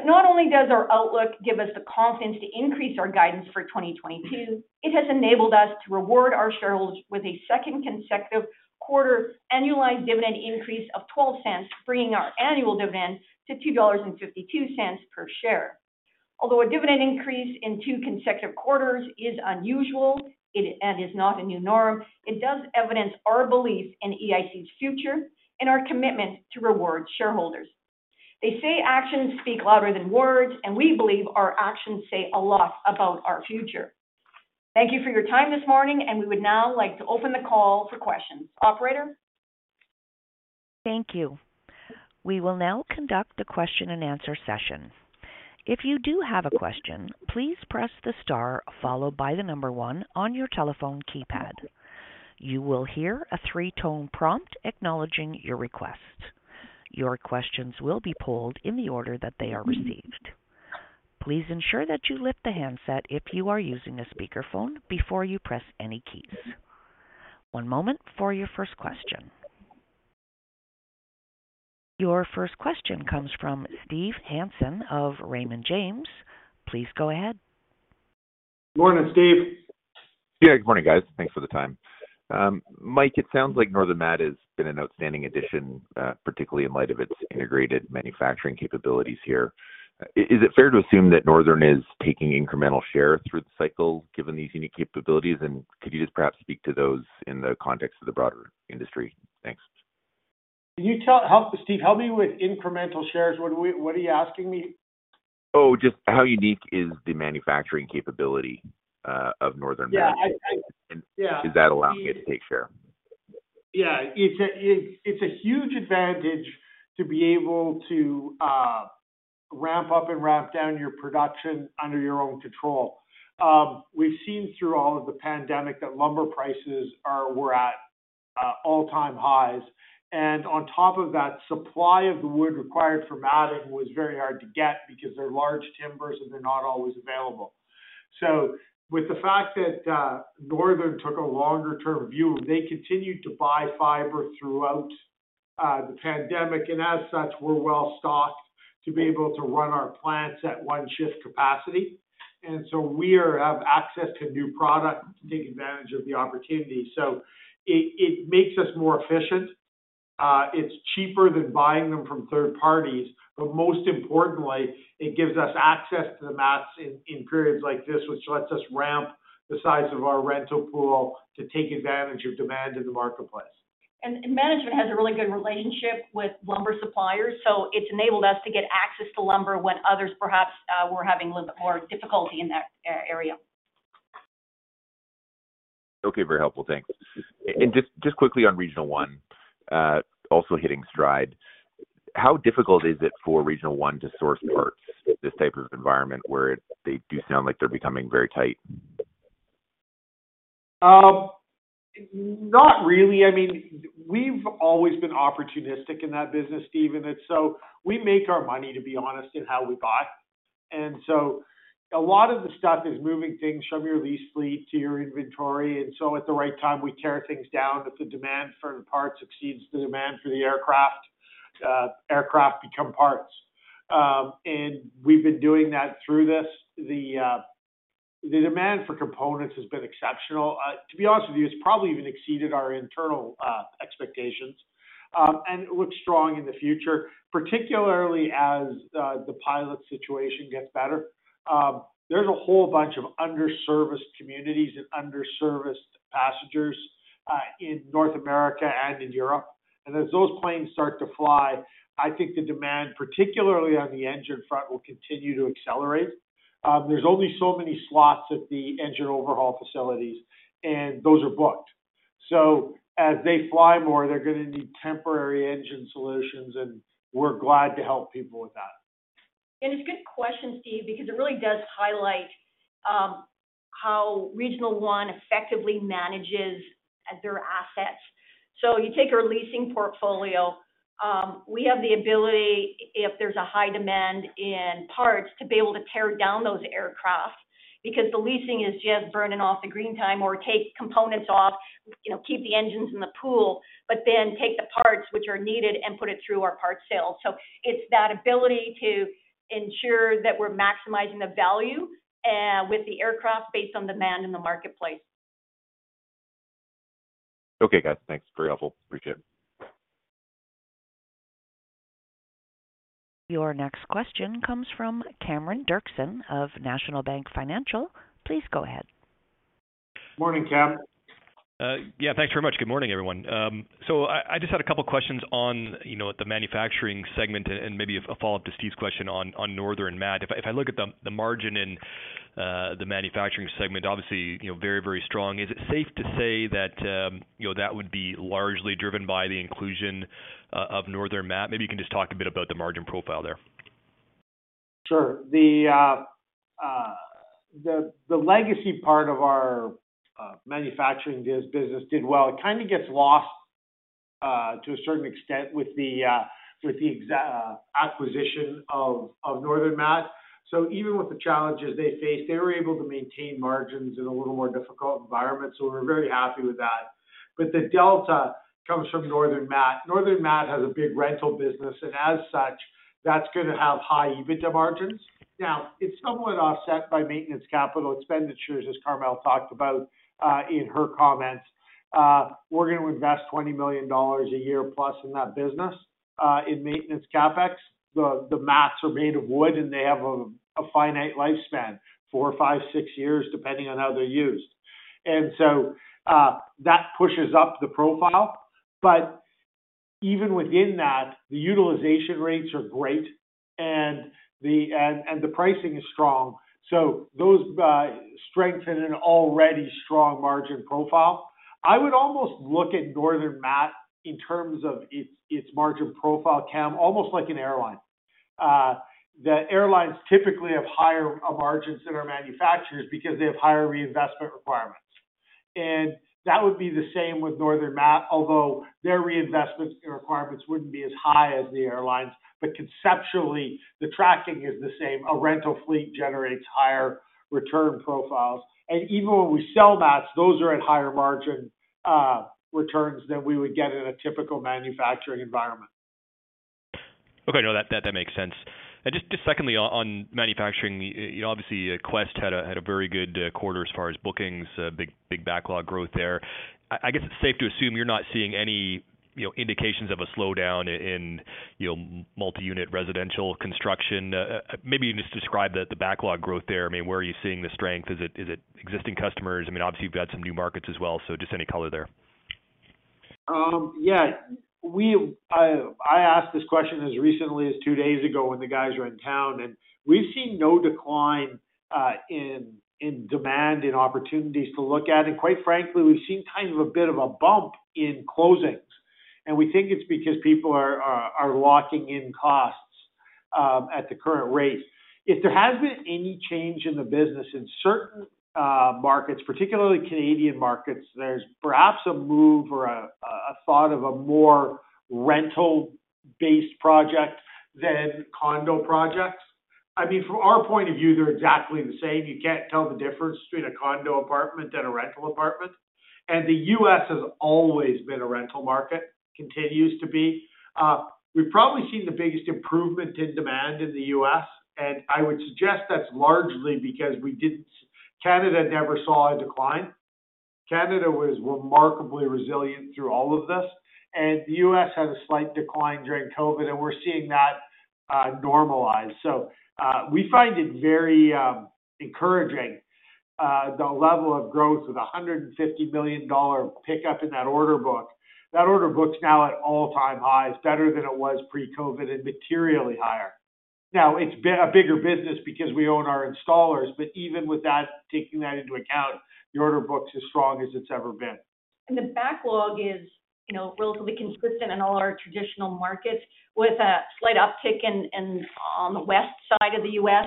Not only does our outlook give us the confidence to increase our guidance for 2022, it has enabled us to reward our shareholders with a second consecutive quarter annualized dividend increase of $ 0.12, bringing our annual dividend to $ 2.52 per share. Although a dividend increase in two consecutive quarters is unusual, it and is not a new norm, it does evidence our belief in EIC's future and our commitment to reward shareholders. They say actions speak louder than words, and we believe our actions say a lot about our future. Thank you for your time this morning, and we would now like to open the call for questions. Operator? Thank you. We will now conduct the question-and-answer session. If you do have a question, please press the star followed by the number one on your telephone keypad. You will hear a three-tone prompt acknowledging your request. Your questions will be pulled in the order that they are received. Please ensure that you lift the handset if you are using a speakerphone before you press any keys. One moment for your first question. Your first question comes from Steve Hansen of Raymond James. Please go ahead. Morning, Steve. Yeah, good morning, guys. Thanks for the time. Mike, it sounds like Northern Mat has been an outstanding addition, particularly in light of its integrated manufacturing capabilities here. Is it fair to assume that Northern is taking incremental share through the cycle given these unique capabilities? Could you just perhaps speak to those in the context of the broader industry? Thanks. Steve, help me with incremental shares. What are you asking me? Oh, just how unique is the manufacturing capability of Northern Mat? Yeah. I Is that allowing it to take share? Yeah. It's a huge advantage to be able to ramp up and ramp down your production under your own control. We've seen through all of the pandemic that lumber prices were at all-time highs. On top of that, supply of the wood required for matting was very hard to get because they're large timbers and they're not always available. With the fact that Northern took a longer-term view, they continued to buy fiber throughout the pandemic. As such, we're well stocked to be able to run our plants at one shift capacity. We have access to new product to take advantage of the opportunity. It makes us more efficient. It's cheaper than buying them from third parties. Most importantly, it gives us access to the mats in periods like this, which lets us ramp the size of our rental pool to take advantage of demand in the marketplace. Management has a really good relationship with lumber suppliers, so it's enabled us to get access to lumber when others perhaps were having a little bit more difficulty in that area. Okay. Very helpful. Thanks. Just quickly on Regional One, also hitting stride. How difficult is it for Regional One to source parts, this type of environment where they do sound like they're becoming very tight? Not really. I mean, we've always been opportunistic in that business, Steve. So we make our money, to be honest, in how we buy. A lot of the stuff is moving things from your lease fleet to your inventory. At the right time, we tear things down. If the demand for the parts exceeds the demand for the aircraft become parts. We've been doing that through this. The demand for components has been exceptional. To be honest with you, it's probably even exceeded our internal expectations. It looks strong in the future, particularly as the pilot situation gets better. There's a whole bunch of underserviced communities and underserviced passengers in North America and in Europe. As those planes start to fly, I think the demand, particularly on the engine front, will continue to accelerate. There's only so many slots at the engine overhaul facilities, and those are booked. As they fly more, they're gonna need temporary engine solutions, and we're glad to help people with that. It's a good question, Steve, because it really does highlight how Regional One effectively manages their assets. You take our leasing portfolio, we have the ability, if there's a high demand in parts, to be able to tear down those aircraft because the leasing is just burning off the green time or take components off, you know, keep the engines in the pool, but then take the parts which are needed and put it through our parts sale. It's that ability to ensure that we're maximizing the value with the aircraft based on demand in the marketplace. Okay, guys. Thanks. Very helpful. Appreciate it. Your next question comes from Cameron Doerksen of National Bank Financial. Please go ahead. Morning, Cam. Yeah, thanks very much. Good morning, everyone. So I just had a couple questions on, you know, the manufacturing segment and maybe a follow-up to Steve's question on Northern Mat. If I look at the margin in the manufacturing segment, obviously, you know, very, very strong. Is it safe to say that, you know, that would be largely driven by the inclusion of Northern Mat? Maybe you can just talk a bit about the margin profile there. Sure. The legacy part of our manufacturing business did well. It kind of gets lost to a certain extent with the acquisition of Northern Mat. Even with the challenges they faced, they were able to maintain margins in a little more difficult environment, so we're very happy with that. The delta comes from Northern Mat. Northern Mat has a big rental business, and as such, that's gonna have high EBITDA margins. Now, it's somewhat offset by maintenance capital expenditures, as Carmel talked about in her comments. We're gonna invest $20 million a year plus in that business, in maintenance CapEx. The mats are made of wood, and they have a finite lifespan, four, five, six years, depending on how they're used. That pushes up the profile. Even within that, the utilization rates are great and the pricing is strong. Those strengthen an already strong margin profile. I would almost look at Northern Mat in terms of its margin profile, Cam, almost like an airline. The airlines typically have higher margins than our manufacturers because they have higher reinvestment requirements. That would be the same with Northern Mat, although their reinvestment requirements wouldn't be as high as the airlines. Conceptually, the tracking is the same. A rental fleet generates higher return profiles. Even when we sell mats, those are at higher margin returns than we would get in a typical manufacturing environment. Okay, that makes sense. Just secondly on manufacturing. You know, obviously, Quest had a very good quarter as far as bookings, big backlog growth there. I guess it's safe to assume you're not seeing any, you know, indications of a slowdown in, you know, multi-unit residential construction. Maybe you can just describe the backlog growth there. I mean, where are you seeing the strength? Is it existing customers? I mean, obviously, you've got some new markets as well, so just any color there. Yeah. I asked this question as recently as two days ago when the guys were in town, and we've seen no decline in demand in opportunities to look at. Quite frankly, we've seen kind of a bit of a bump in closings. We think it's because people are locking in costs at the current rate. If there has been any change in the business in certain markets, particularly Canadian markets, there's perhaps a move or a thought of a more rental-based project than condo projects. I mean, from our point of view, they're exactly the same. You can't tell the difference between a condo apartment and a rental apartment. The U.S. has always been a rental market, continues to be. We've probably seen the biggest improvement in demand in the U.S., and I would suggest that's largely because Canada never saw a decline. Canada was remarkably resilient through all of this. The U.S. had a slight decline during COVID, and we're seeing that normalize. We find it very encouraging, the level of growth with a $150 million pickup in that order book. That order book's now at all-time highs, better than it was pre-COVID and materially higher. Now, it's been a bigger business because we own our installers, but even with that, taking that into account, the order book's as strong as it's ever been. The backlog is, you know, relatively consistent in all our traditional markets with a slight uptick on the west side of the U.S.,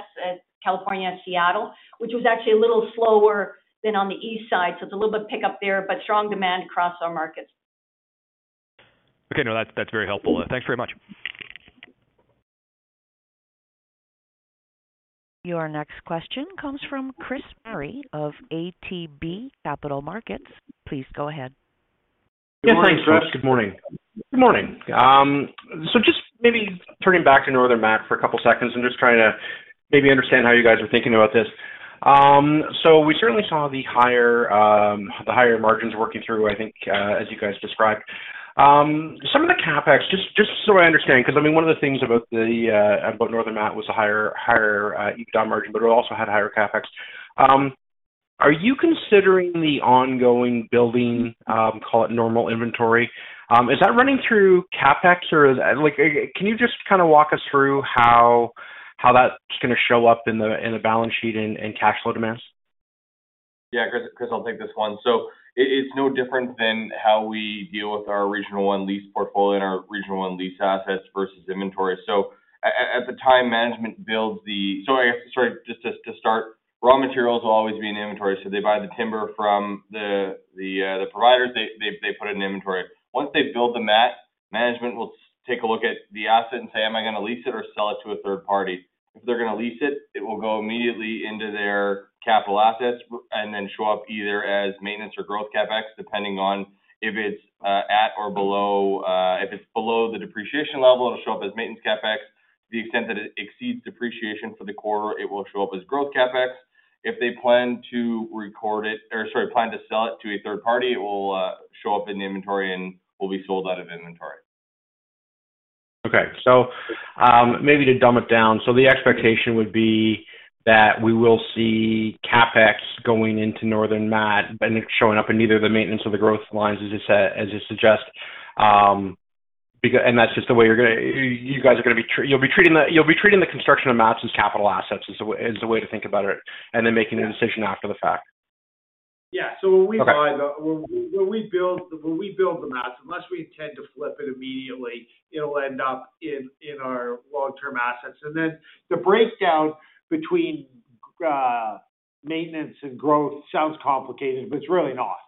California and Seattle, which was actually a little slower than on the east side. It's a little bit pick up there, but strong demand across our markets. Okay. No, that's very helpful. Thanks very much. Your next question comes from Chris Murray of ATB Capital Markets. Please go ahead. Thanks, Chris. Yeah, thanks, folks. Good morning. Good morning. Just maybe turning back to Northern Mat for a couple seconds and just trying to maybe understand how you guys are thinking about this. We certainly saw the higher margins working through, I think, as you guys described. Some of the CapEx, just so I understand, 'cause, I mean, one of the things about Northern Mat was the higher EBITDA margin, but it also had higher CapEx. Are you considering the ongoing building, call it normal inventory? Is that running through CapEx or like. Can you just kinda walk us through how that's gonna show up in the balance sheet and cash flow demands? Yeah. Chris, I'll take this one. It's no different than how we deal with our Regional One lease portfolio and our Regional One lease assets versus inventory. Sorry. Just to start, raw materials will always be in inventory. They buy the timber from the providers. They put it in inventory. Once they build the mat, management will take a look at the asset and say, "Am I gonna lease it or sell it to a third party?" If they're gonna lease it will go immediately into their capital assets and then show up either as maintenance or growth CapEx, depending on if it's at or below, if it's below the depreciation level, it'll show up as maintenance CapEx. The extent that it exceeds depreciation for the quarter, it will show up as growth CapEx. If they plan to sell it to a third party, it will show up in the inventory and will be sold out of inventory. Okay. Maybe to dumb it down. The expectation would be that we will see CapEx going into Northern Mat and it's showing up in either the maintenance or the growth lines, as you said, as you suggest. Because that's just the way you guys are gonna be treating the construction of mats as capital assets is the way to think about it, and then making a decision after the fact. Yeah. When we bu-. Okay. When we build the mats, unless we intend to flip it immediately, it'll end up in our long-term assets. Then the breakdown between maintenance and growth sounds complicated, but it's really not.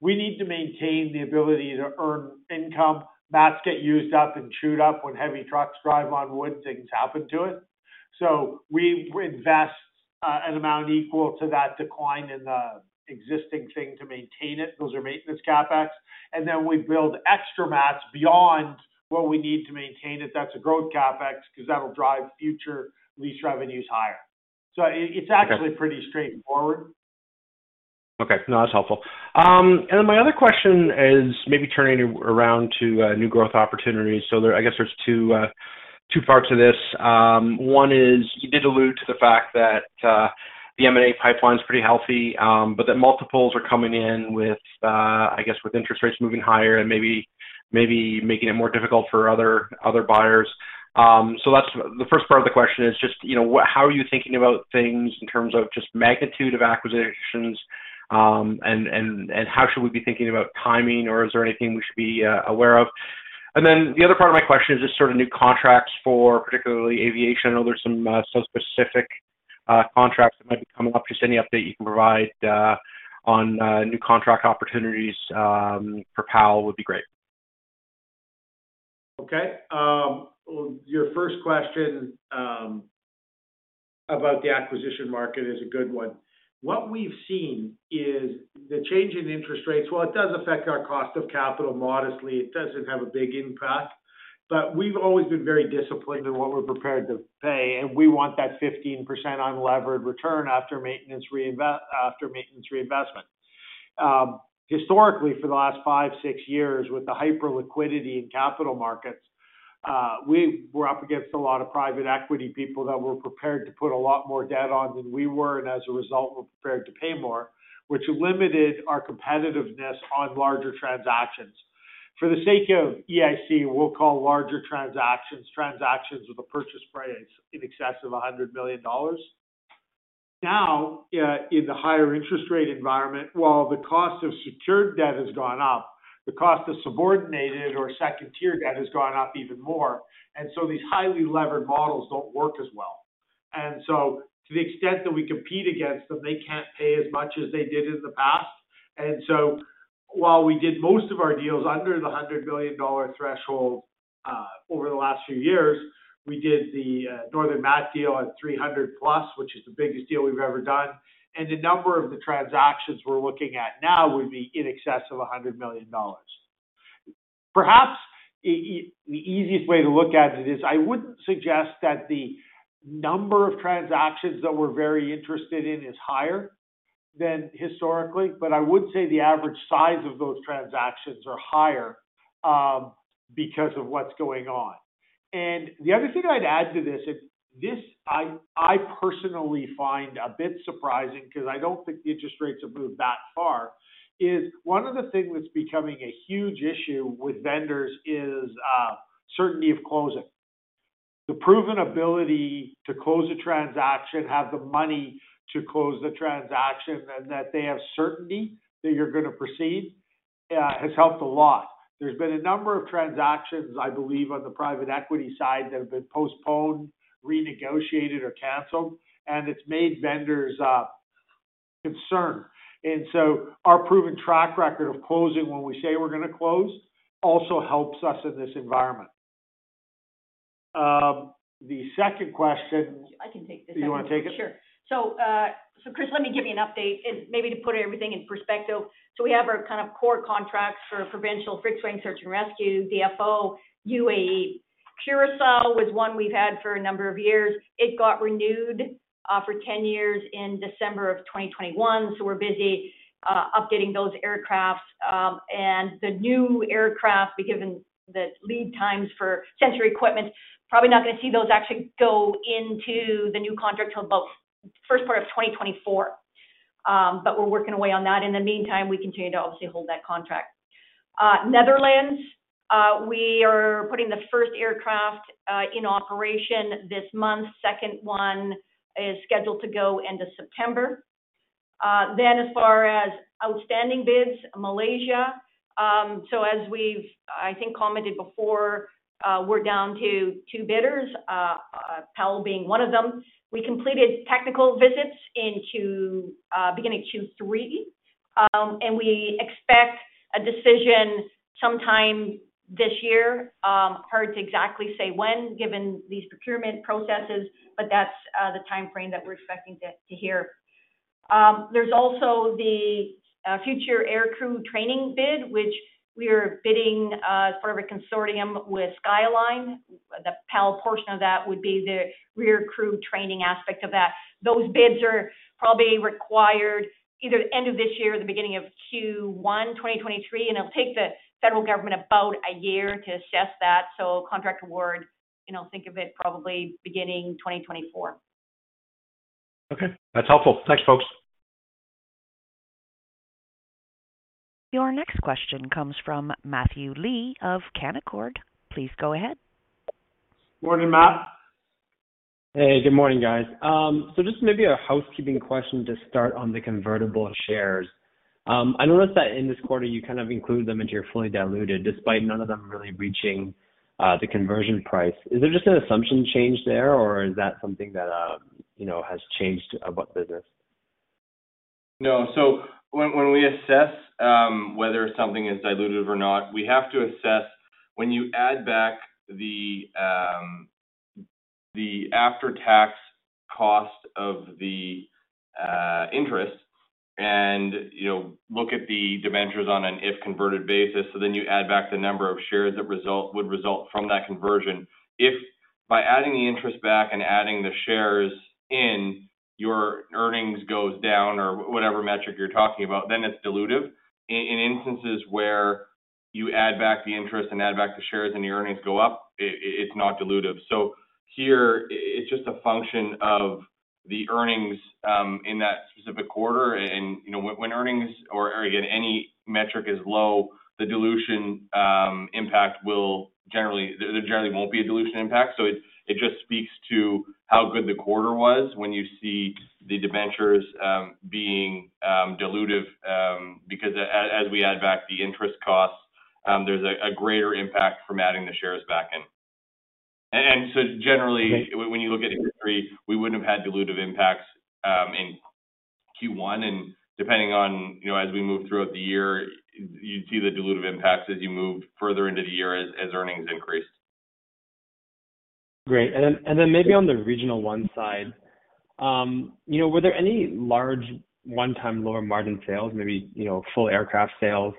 We need to maintain the ability to earn income. Mats get used up and chewed up when heavy trucks drive on wood, things happen to it. We invest an amount equal to that decline in the existing thing to maintain it. Those are maintenance CapEx. Then we build extra mats beyond what we need to maintain it. That's a growth CapEx because that'll drive future lease revenues higher. It's actually. Okay. Pretty straightforward. Okay. No, that's helpful. My other question is maybe turning around to new growth opportunities. There, I guess there's two parts to this. One is you did allude to the fact that the M&A pipeline is pretty healthy, but the multiples are coming in with, I guess with interest rates moving higher and maybe making it more difficult for other buyers. That's the first part of the question is just, you know, how are you thinking about things in terms of just magnitude of acquisitions. How should we be thinking about timing or is there anything we should be aware of? The other part of my question is just sort of new contracts for particularly aviation. I know there's some specific contracts that might be coming up. Just any update you can provide on new contract opportunities for PAL would be great. Your first question about the acquisition market is a good one. What we've seen is the change in interest rates, while it does affect our cost of capital modestly, it doesn't have a big impact. We've always been very disciplined in what we're prepared to pay, and we want that 15% unlevered return after maintenance reinvestment. Historically, for the last five, six years, with the hyper liquidity in capital markets, we were up against a lot of private equity people that were prepared to put a lot more debt on than we were, and as a result, were prepared to pay more, which limited our competitiveness on larger transactions. For the sake of EIC, we'll call larger transactions transactions with a purchase price in excess of $ 100 million. Now, in the higher interest rate environment, while the cost of secured debt has gone up, the cost of subordinated or second-tier debt has gone up even more, and so these highly levered models don't work as well. To the extent that we compete against them, they can't pay as much as they did in the past. While we did most of our deals under the $100 million threshold over the last few years, we did the Northern Mat & Bridge deal at $ 300+ million, which is the biggest deal we've ever done. The number of the transactions we're looking at now would be in excess of $ 100 million. Perhaps the easiest way to look at it is I wouldn't suggest that the number of transactions that we're very interested in is higher than historically, but I would say the average size of those transactions are higher because of what's going on. The other thing I'd add to this is that I personally find a bit surprising because I don't think the interest rates have moved that far is one of the things that's becoming a huge issue with vendors is certainty of closing. The proven ability to close a transaction, have the money to close the transaction, and that they have certainty that you're gonna proceed has helped a lot. There's been a number of transactions, I believe, on the private equity side that have been postponed, renegotiated or canceled, and it's made vendors concerned. Our proven track record of closing when we say we're gonna close also helps us in this environment. The second question- I can take this one. You wanna take it? Sure. Chris, let me give you an update and maybe to put everything in perspective. We have our kind of core contracts for provincial fixed-wing search and rescue, DFO, UAE. Curaçao was one we've had for a number of years. It got renewed for 10 years in December of 2021. We're busy updating those aircraft. The new aircraft, given the lead times for sensory equipment, probably not gonna see those actually go into the new contract till about first part of 2024. We're working away on that. In the meantime, we continue to obviously hold that contract. Netherlands, we are putting the first aircraft in operation this month. Second one is scheduled to go end of September. As far as outstanding bids, Malaysia. As we've, I think, commented before, we're down to two bidders, PAL being one of them. We completed technical visits beginning Q3, and we expect a decision sometime this year. Hard to exactly say when given these procurement processes, but that's the timeframe that we're expecting to hear. There's also the future aircrew training bid, which we are bidding as part of a consortium with SkyAlyne. The PAL portion of that would be the rear crew training aspect of that. Those bids are probably required either end of this year or the beginning of Q1 2023, and it'll take the federal government about a year to assess that. Contract award, you know, think of it probably beginning 2024. Okay. That's helpful. Thanks, folks. Your next question comes from Matthew Lee of Canaccord Genuity. Please go ahead. Morning, Matt. Hey, good morning, guys. Just maybe a housekeeping question to start on the convertible shares. I noticed that in this quarter you kind of include them into your fully diluted despite none of them really reaching the conversion price. Is there just an assumption change there or is that something that you know has changed about business? No. When we assess whether something is dilutive or not, we have to assess when you add back the after-tax cost of the interest and, you know, look at the debentures on an if converted basis. You add back the number of shares that would result from that conversion. If by adding the interest back and adding the shares in your earnings goes down or whatever metric you're talking about, then it's dilutive. In instances where you add back the interest and add back the shares, and your earnings go up, it's not dilutive. Here it's just a function of the earnings in that specific quarter. You know, when earnings or again any metric is low, the dilution impact will generally. There generally won't be a dilution impact. It just speaks to how good the quarter was when you see the debentures being dilutive because as we add back the interest costs, there's a greater impact from adding the shares back in. So generally when you look at history, we wouldn't have had dilutive impacts in Q1. Depending on, you know, as we move throughout the year, you'd see the dilutive impacts as you move further into the year as earnings increase. Great. Maybe on the Regional One side, you know, were there any large one-time lower margin sales, maybe, you know, full aircraft sales,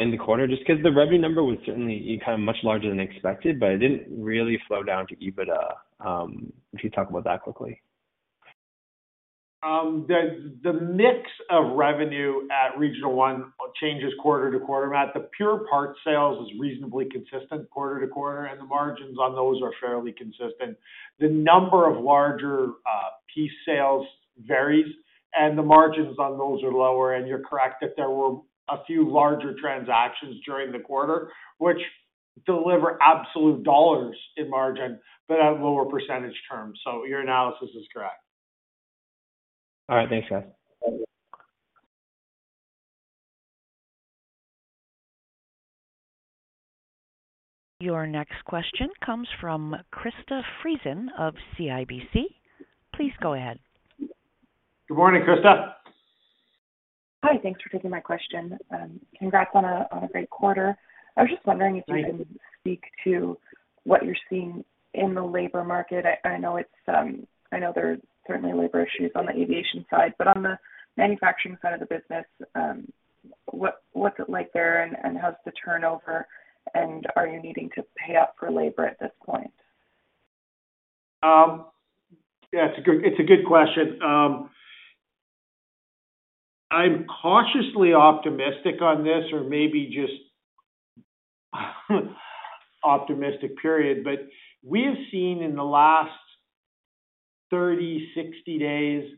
in the quarter? Just 'cause the revenue number was certainly, you know, kind of much larger than expected, but it didn't really flow down to EBITDA. If you'd talk about that quickly. The mix of revenue at Regional One changes quarter to quarter, Matt. The pure part sales is reasonably consistent quarter to quarter, and the margins on those are fairly consistent. The number of larger piece sales varies, and the margins on those are lower. You're correct that there were a few larger transactions during the quarter, which deliver absolute dollars in margin but at lower percentage terms. Your analysis is correct. All right. Thanks, guys. Thank you. Your next question comes from Krista Friesen of CIBC. Please go ahead. Good morning, Krista. Hi. Thanks for taking my question. Congrats on a great quarter. I was just wondering if you can speak to what you're seeing in the labor market. I know there are certainly labor issues on the aviation side, but on the manufacturing side of the business, what's it like there and how's the turnover, and are you needing to pay up for labor at this point? That's a good question. I'm cautiously optimistic on this or maybe just optimistic. Period. We have seen in the last 30, 60 days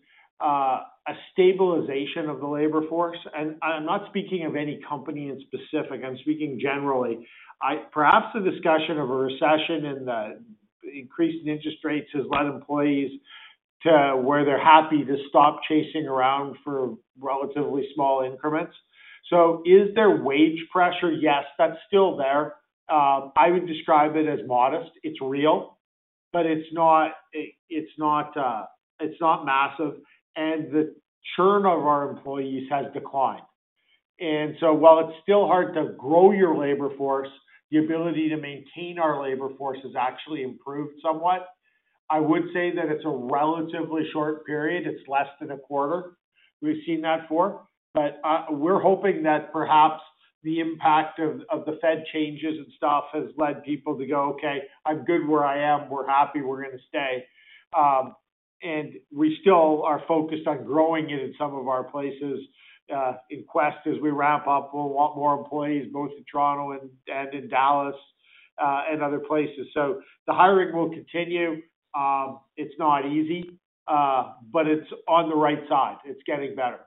a stabilization of the labor force. I'm not speaking of any specific company, I'm speaking generally. Perhaps the discussion of a recession and the increase in interest rates has led employees to where they're happy to stop chasing around for relatively small increments. Is there wage pressure? Yes, that's still there. I would describe it as modest. It's real, but it's not massive, and the churn of our employees has declined. While it's still hard to grow your labor force, the ability to maintain our labor force has actually improved somewhat. I would say that it's a relatively short period. It's less than a quarter we've seen that for. We're hoping that perhaps the impact of the Fed changes and stuff has led people to go, "Okay, I'm good where I am. We're happy. We're gonna stay." We still are focused on growing it in some of our places. In Quest, as we wrap up, we'll want more employees both in Toronto and in Dallas, and other places. The hiring will continue. It's not easy, but it's on the right side. It's getting better.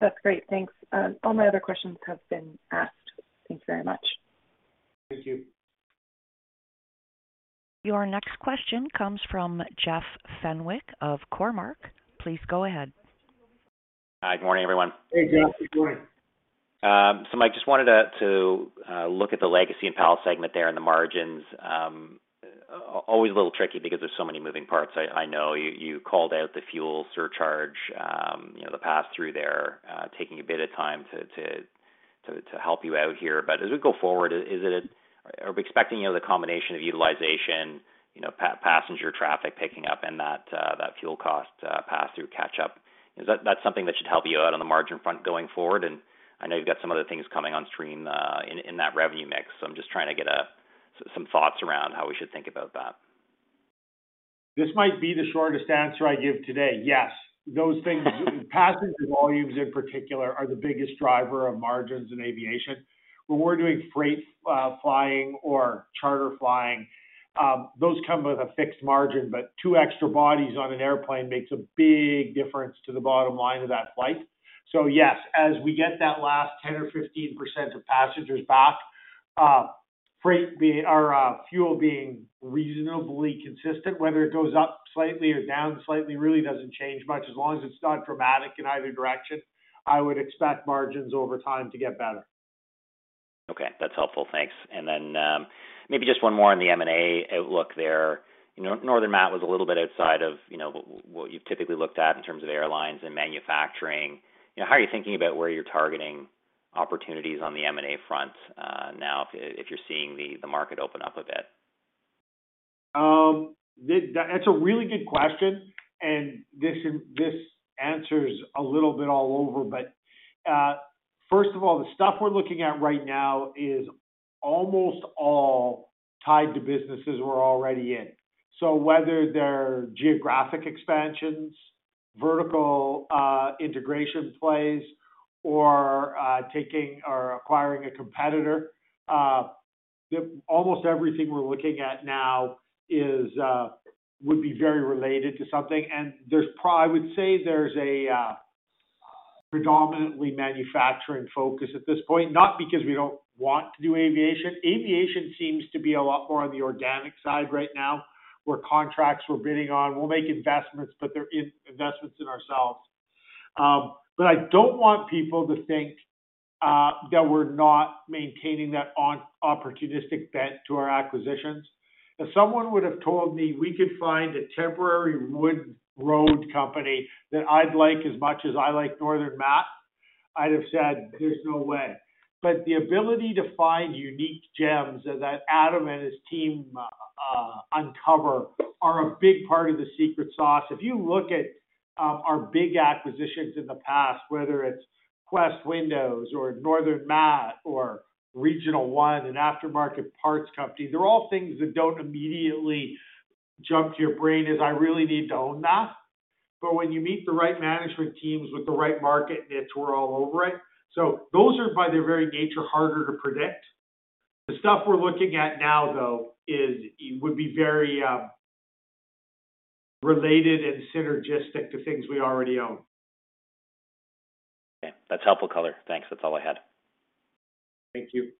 That's great. Thanks. All my other questions have been asked. Thanks very much. Thank you. Your next question comes from Jeff Fenwick of Cormark. Please go ahead. Hi. Good morning, everyone. Hey, Jeff. Good morning. Mike, just wanted to look at the Aerospace & Aviation segment there and the margins. Always a little tricky because there's so many moving parts. I know you called out the fuel surcharge, you know, the pass-through there, taking a bit of time to help you out here. As we go forward, are we expecting, you know, the combination of utilization, you know, passenger traffic picking up and that fuel cost pass-through catch up? Is that something that should help you out on the margin front going forward? I know you've got some other things coming on stream in that revenue mix, so I'm just trying to get some thoughts around how we should think about that. This might be the shortest answer I give today. Yes. Those things, passenger volumes in particular, are the biggest driver of margins in aviation. When we're doing freight, flying or charter flying, those come with a fixed margin, but two extra bodies on an airplane makes a big difference to the bottom line of that flight. Yes, as we get that last 10 or 15% of passengers back, fuel being reasonably consistent, whether it goes up slightly or down slightly, really doesn't change much. As long as it's not dramatic in either direction, I would expect margins over time to get better. Okay. That's helpful. Thanks. Maybe just one more on the M&A outlook there. You know, Northern Mat & Bridge was a little bit outside of, you know, what you've typically looked at in terms of airlines and manufacturing. You know, how are you thinking about where you're targeting opportunities on the M&A front, now if you're seeing the market open up a bit? That's a really good question, and this answer's a little bit all over. First of all, the stuff we're looking at right now is almost all tied to businesses we're already in. Whether they're geographic expansions, vertical integration plays, or taking or acquiring a competitor, almost everything we're looking at now would be very related to something. I would say there's a predominantly manufacturing focus at this point, not because we don't want to do aviation. Aviation seems to be a lot more on the organic side right now, where contracts we're bidding on, we'll make investments, but they're investments in ourselves. I don't want people to think that we're not maintaining that opportunistic bent to our acquisitions. If someone would have told me we could find a temporary wood road company that I'd like as much as I like Northern Mat, I'd have said, "There's no way." The ability to find unique gems that Adam and his team uncover are a big part of the secret sauce. If you look at our big acquisitions in the past, whether it's Quest Windows or Northern Mat or Regional One, an aftermarket parts company, they're all things that don't immediately jump to your brain as I really need to own that. When you meet the right management teams with the right market niche, we're all over it. Those are, by their very nature, harder to predict. The stuff we're looking at now, though, would be very related and synergistic to things we already own. Okay. That's helpful color. Thanks. That's all I had. Thank you.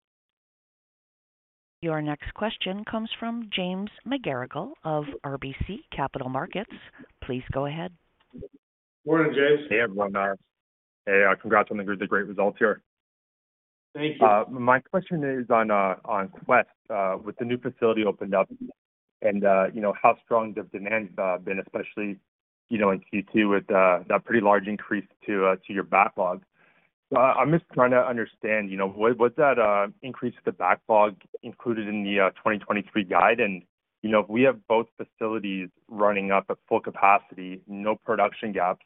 Your next question comes from James McGarragle of RBC Capital Markets. Please go ahead. Morning, James. Hey, everyone. Congrats on the great results here. Thank you. My question is on Quest. With the new facility opened up and you know how strong the demand's been, especially you know in Q2 with that pretty large increase to your backlog. I'm just trying to understand you know was that increase to the backlog included in the 2023 guide? And you know if we have both facilities running up at full capacity, no production gaps,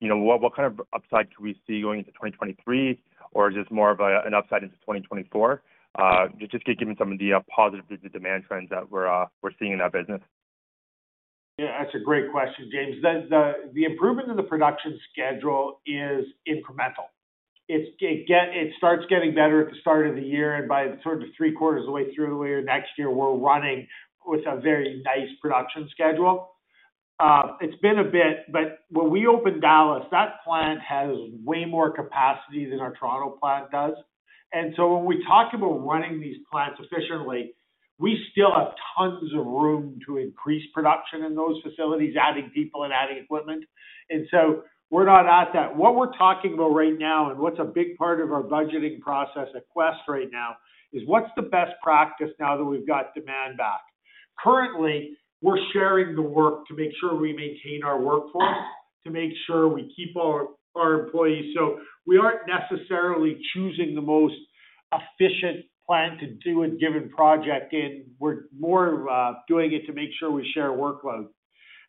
you know what kind of upside could we see going into 2023? Or is this more of an upside into 2024? Just given some of the positive demand trends that we're seeing in that business. Yeah, that's a great question, James. The improvement in the production schedule is incremental. It starts getting better at the start of the year, and by sort of three-quarters of the way through next year, we're running with a very nice production schedule. It's been a bit, but when we opened Dallas, that plant has way more capacity than our Toronto plant does. When we talk about running these plants efficiently, we still have tons of room to increase production in those facilities, adding people and adding equipment. We're not at that. What we're talking about right now and what's a big part of our budgeting process at Quest right now is what's the best practice now that we've got demand back. Currently, we're sharing the work to make sure we maintain our workforce, to make sure we keep our employees. We aren't necessarily choosing the most efficient plant to do a given project in. We're more doing it to make sure we share workload.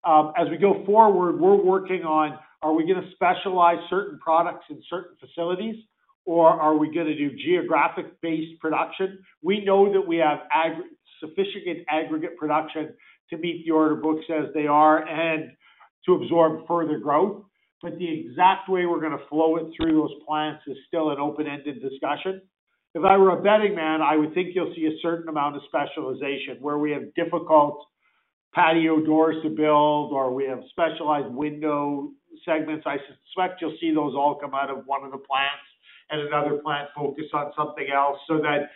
As we go forward, we're working on are we gonna specialize certain products in certain facilities, or are we gonna do geographic-based production? We know that we have sufficient aggregate production to meet the order books as they are and to absorb further growth. The exact way we're gonna flow it through those plants is still an open-ended discussion. If I were a betting man, I would think you'll see a certain amount of specialization where we have difficult patio doors to build or we have specialized window segments. I suspect you'll see those all come out of one of the plants and another plant focus on something else, so that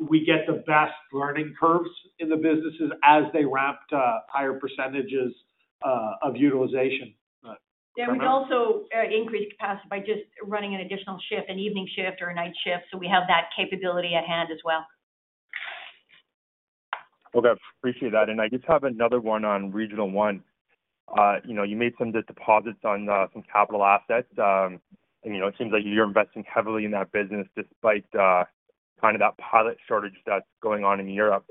we get the best learning curves in the businesses as they ramp to higher percentages of utilization. Got it. Darryl, we can also increase capacity by just running an additional shift, an evening shift or a night shift, so we have that capability at hand as well. Okay. Appreciate that. I just have another one on Regional One. You know, you made some deposits on, some capital assets. And, you know, it seems like you're investing heavily in that business despite, kind of that pilot shortage that's going on in Europe.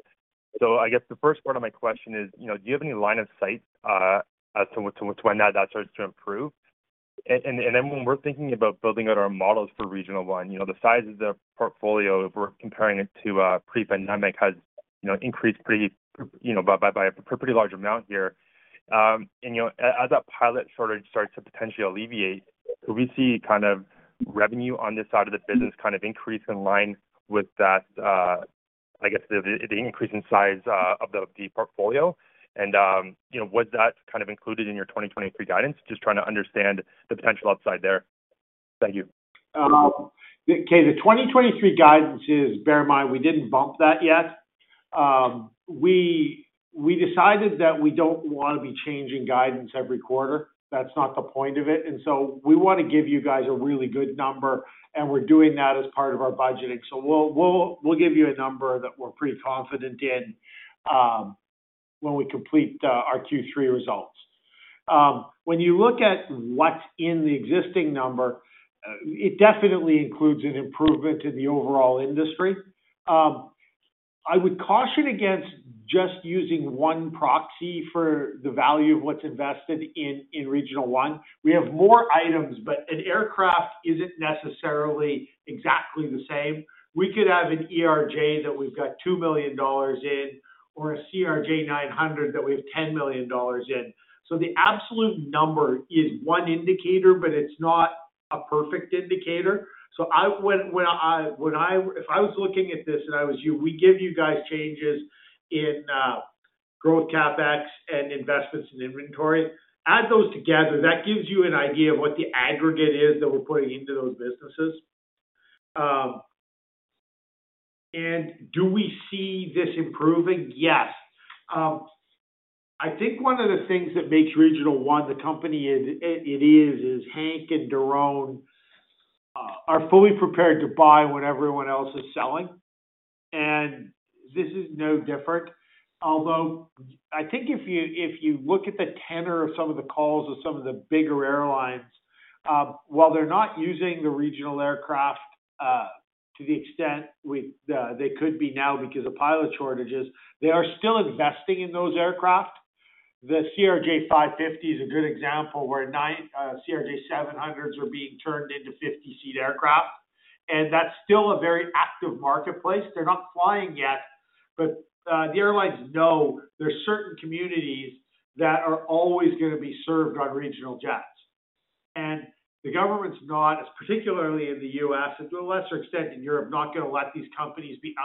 I guess the first part of my question is, you know, do you have any line of sight, as to when that starts to improve? And then when we're thinking about building out our models for Regional One, you know, the size of the portfolio, if we're comparing it to, pre-pandemic has, you know, increased pretty, you know, by a pretty large amount here. As that pilot shortage starts to potentially alleviate, do we see kind of revenue on this side of the business kind of increase in line with that? I guess the increase in size of the portfolio and, you know, was that kind of included in your 2023 guidance? Just trying to understand the potential upside there. Thank you. Okay. The 2023 guidance is, bear in mind, we didn't bump that yet. We decided that we don't want to be changing guidance every quarter. That's not the point of it. We want to give you guys a really good number, and we're doing that as part of our budgeting. We'll give you a number that we're pretty confident in when we complete our Q3 results. When you look at what's in the existing number, it definitely includes an improvement in the overall industry. I would caution against just using one proxy for the value of what's invested in Regional One. We have more items, but an aircraft isn't necessarily exactly the same. We could have an ERJ that we've got $2 million in or a CRJ nine hundred that we have $10 million in. The absolute number is one indicator, but it's not a perfect indicator. If I was looking at this and I was you, we give you guys changes in growth CapEx and investments in inventory. Add those together, that gives you an idea of what the aggregate is that we're putting into those businesses. Do we see this improving? Yes. I think one of the things that makes Regional One the company it is Hank and Tyrone are fully prepared to buy what everyone else is selling. This is no different. Although I think if you look at the tenor of some of the calls of some of the bigger airlines, while they're not using the regional aircraft to the extent they could be now because of pilot shortages, they are still investing in those aircraft. The CRJ550 is a good example where nine CRJ700s are being turned into 50-seat aircraft. That's still a very active marketplace. They're not flying yet, but the airlines know there are certain communities that are always gonna be served on regional jets. The government's not, particularly in the U.S., and to a lesser extent in Europe, not gonna let these companies be,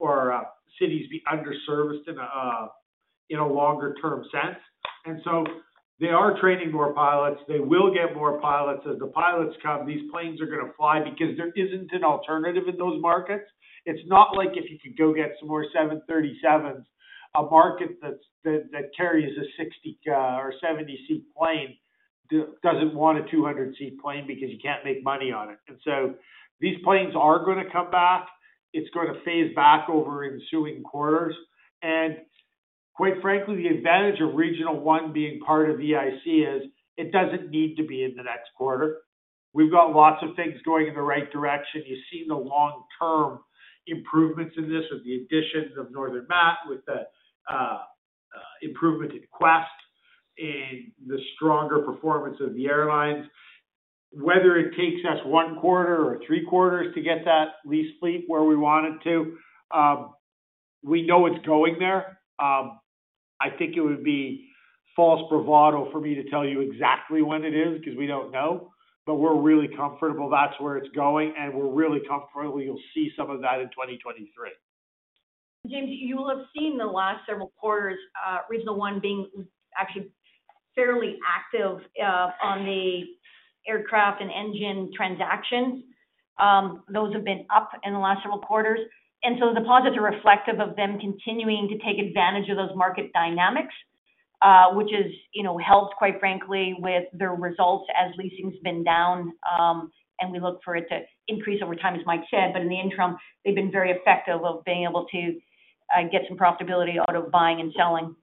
or cities be underserviced in a longer term sense. They are training more pilots. They will get more pilots. As the pilots come, these planes are gonna fly because there isn't an alternative in those markets. It's not like if you could go get some more 737s, a market that carries a 60- or 70-seat plane doesn't want a 200-seat plane because you can't make money on it. These planes are gonna come back. It's gonna phase back over ensuing quarters. Quite frankly, the advantage of Regional One being part of EIC is it doesn't need to be in the next quarter. We've got lots of things going in the right direction. You've seen the long-term improvements in this with the additions of Northern Mat, with the improvement in Quest, in the stronger performance of the airlines. Whether it takes us one quarter or three quarters to get that lease fleet where we want it to, we know it's going there. I think it would be false bravado for me to tell you exactly when it is because we don't know. We're really comfortable that's where it's going, and we're really comfortable you'll see some of that in 2023. James, you will have seen the last several quarters, Regional One being actually fairly active, on the aircraft and engine transactions. Those have been up in the last several quarters, and so the deposits are reflective of them continuing to take advantage of those market dynamics, which has, you know, helped, quite frankly, with their results as leasing's been down, and we look for it to increase over time, as Mike said. In the interim, they've been very effective of being able to, get some profitability out of buying and selling.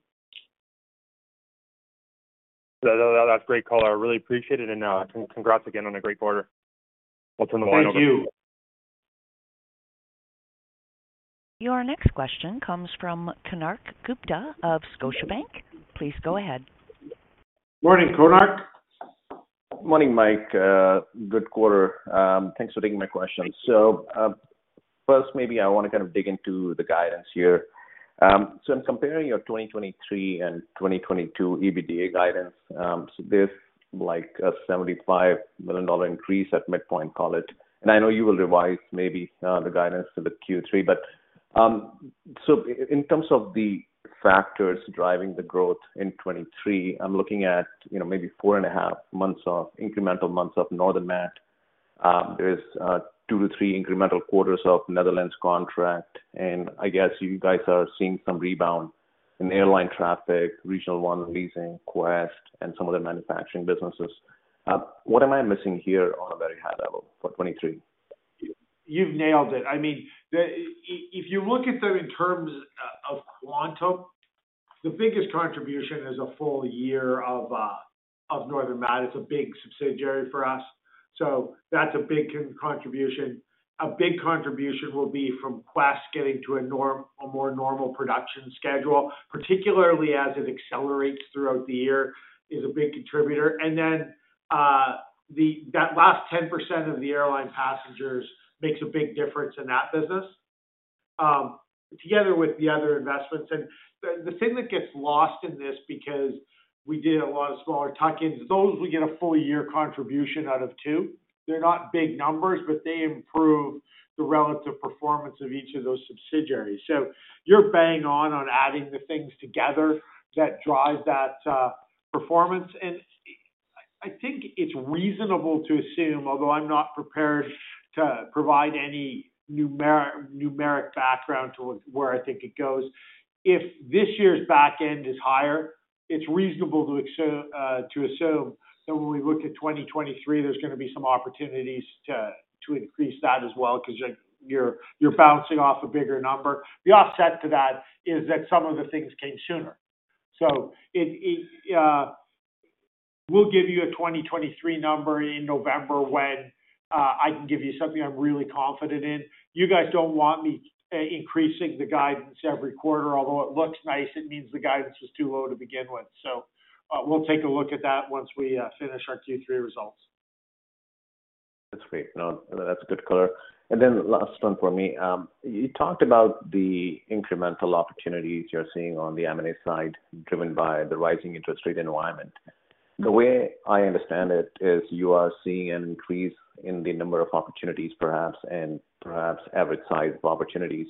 That's great color. I really appreciate it. Congrats again on a great quarter. What's on the line over- Thank you. Your next question comes from Konark Gupta of Scotiabank. Please go ahead. Morning, Konark. Morning, Mike. Good quarter. Thanks for taking my question. First maybe I want to kind of dig into the guidance here. In comparing your 2023 and 2022 EBITDA guidance, there's like a $75 million increase at midpoint call it. I know you will revise maybe the guidance for the Q3. In terms of the factors driving the growth in 2023, I'm looking at, you know, maybe 4.5 months of incremental months of Northern Mat & Bridge. There's 2-3 incremental quarters of Netherlands contract, and I guess you guys are seeing some rebound in airline traffic, Regional One leasing, Quest, and some other manufacturing businesses. What am I missing here on a very high level for 2023? You've nailed it. I mean, if you look at them in terms of quantum, the biggest contribution is a full year of Northern Mat. It's a big subsidiary for us, so that's a big contribution. A big contribution will be from Quest getting to a more normal production schedule, particularly as it accelerates throughout the year, is a big contributor. That last 10% of the airline passengers makes a big difference in that business. Together with the other investments. The thing that gets lost in this because we did a lot of smaller tuck-ins, those we get a full year contribution out of two. They're not big numbers, but they improve the relative performance of each of those subsidiaries. You're bang on adding the things together that drive that performance. I think it's reasonable to assume, although I'm not prepared to provide any numeric background to where I think it goes. If this year's back end is higher, it's reasonable to assume that when we look at 2023, there's gonna be some opportunities to increase that as well, 'cause you're bouncing off a bigger number. The offset to that is that some of the things came sooner. It will give you a 2023 number in November when I can give you something I'm really confident in. You guys don't want me increasing the guidance every quarter. Although it looks nice, it means the guidance was too low to begin with. We'll take a look at that once we finish our Q3 results. That's great. No, that's a good color. Then last one for me. You talked about the incremental opportunities you're seeing on the M&A side driven by the rising interest rate environment. The way I understand it is you are seeing an increase in the number of opportunities perhaps, and perhaps average size of opportunities.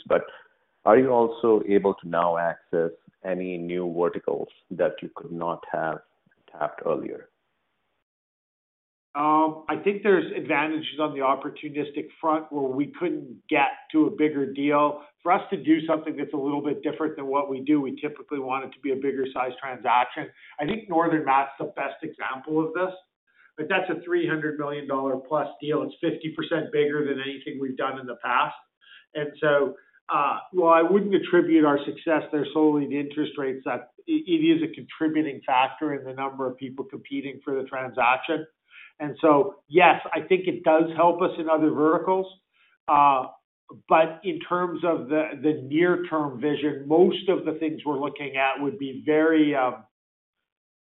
Are you also able to now access any new verticals that you could not have tapped earlier? I think there's advantages on the opportunistic front where we couldn't get to a bigger deal. For us to do something that's a little bit different than what we do, we typically want it to be a bigger sized transaction. I think Northern Mat & Bridge's the best example of this, but that's a $ 300 million dollar plus deal. It's 50% bigger than anything we've done in the past. While I wouldn't attribute our success there solely to interest rates, that it is a contributing factor in the number of people competing for the transaction. And so, yes, I think it does help us in other verticals. In terms of the near-term vision, most of the things we're looking at would be very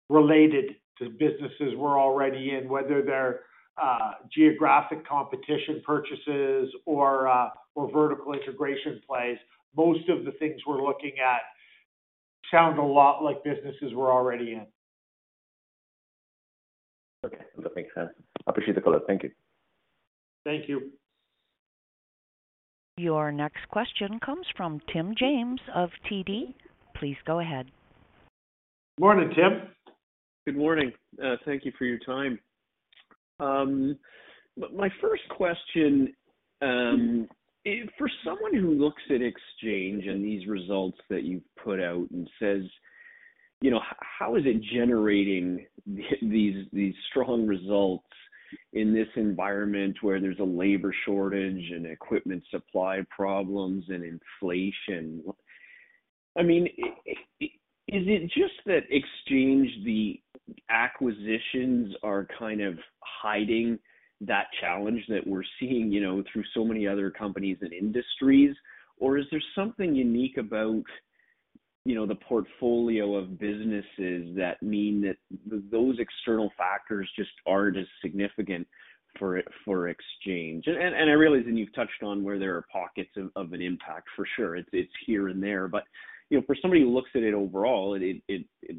related to businesses we're already in, whether they're geographic competition purchases or vertical integration plays. Most of the things we're looking at sound a lot like businesses we're already in. Okay. That makes sense. Appreciate the color. Thank you. Thank you. Your next question comes from Tim James of TD. Please go ahead. Morning, Tim. Good morning. Thank you for your time. My first question is for someone who looks at Exchange and these results that you've put out and says, you know, how is it generating these strong results in this environment where there's a labor shortage and equipment supply problems and inflation? I mean, is it just that Exchange, the acquisitions are kind of hiding that challenge that we're seeing, you know, through so many other companies and industries? Or is there something unique about, you know, the portfolio of businesses that mean that those external factors just aren't as significant for Exchange? I realize, and you've touched on where there are pockets of an impact for sure. It's here and there. You know, for somebody who looks at it overall, it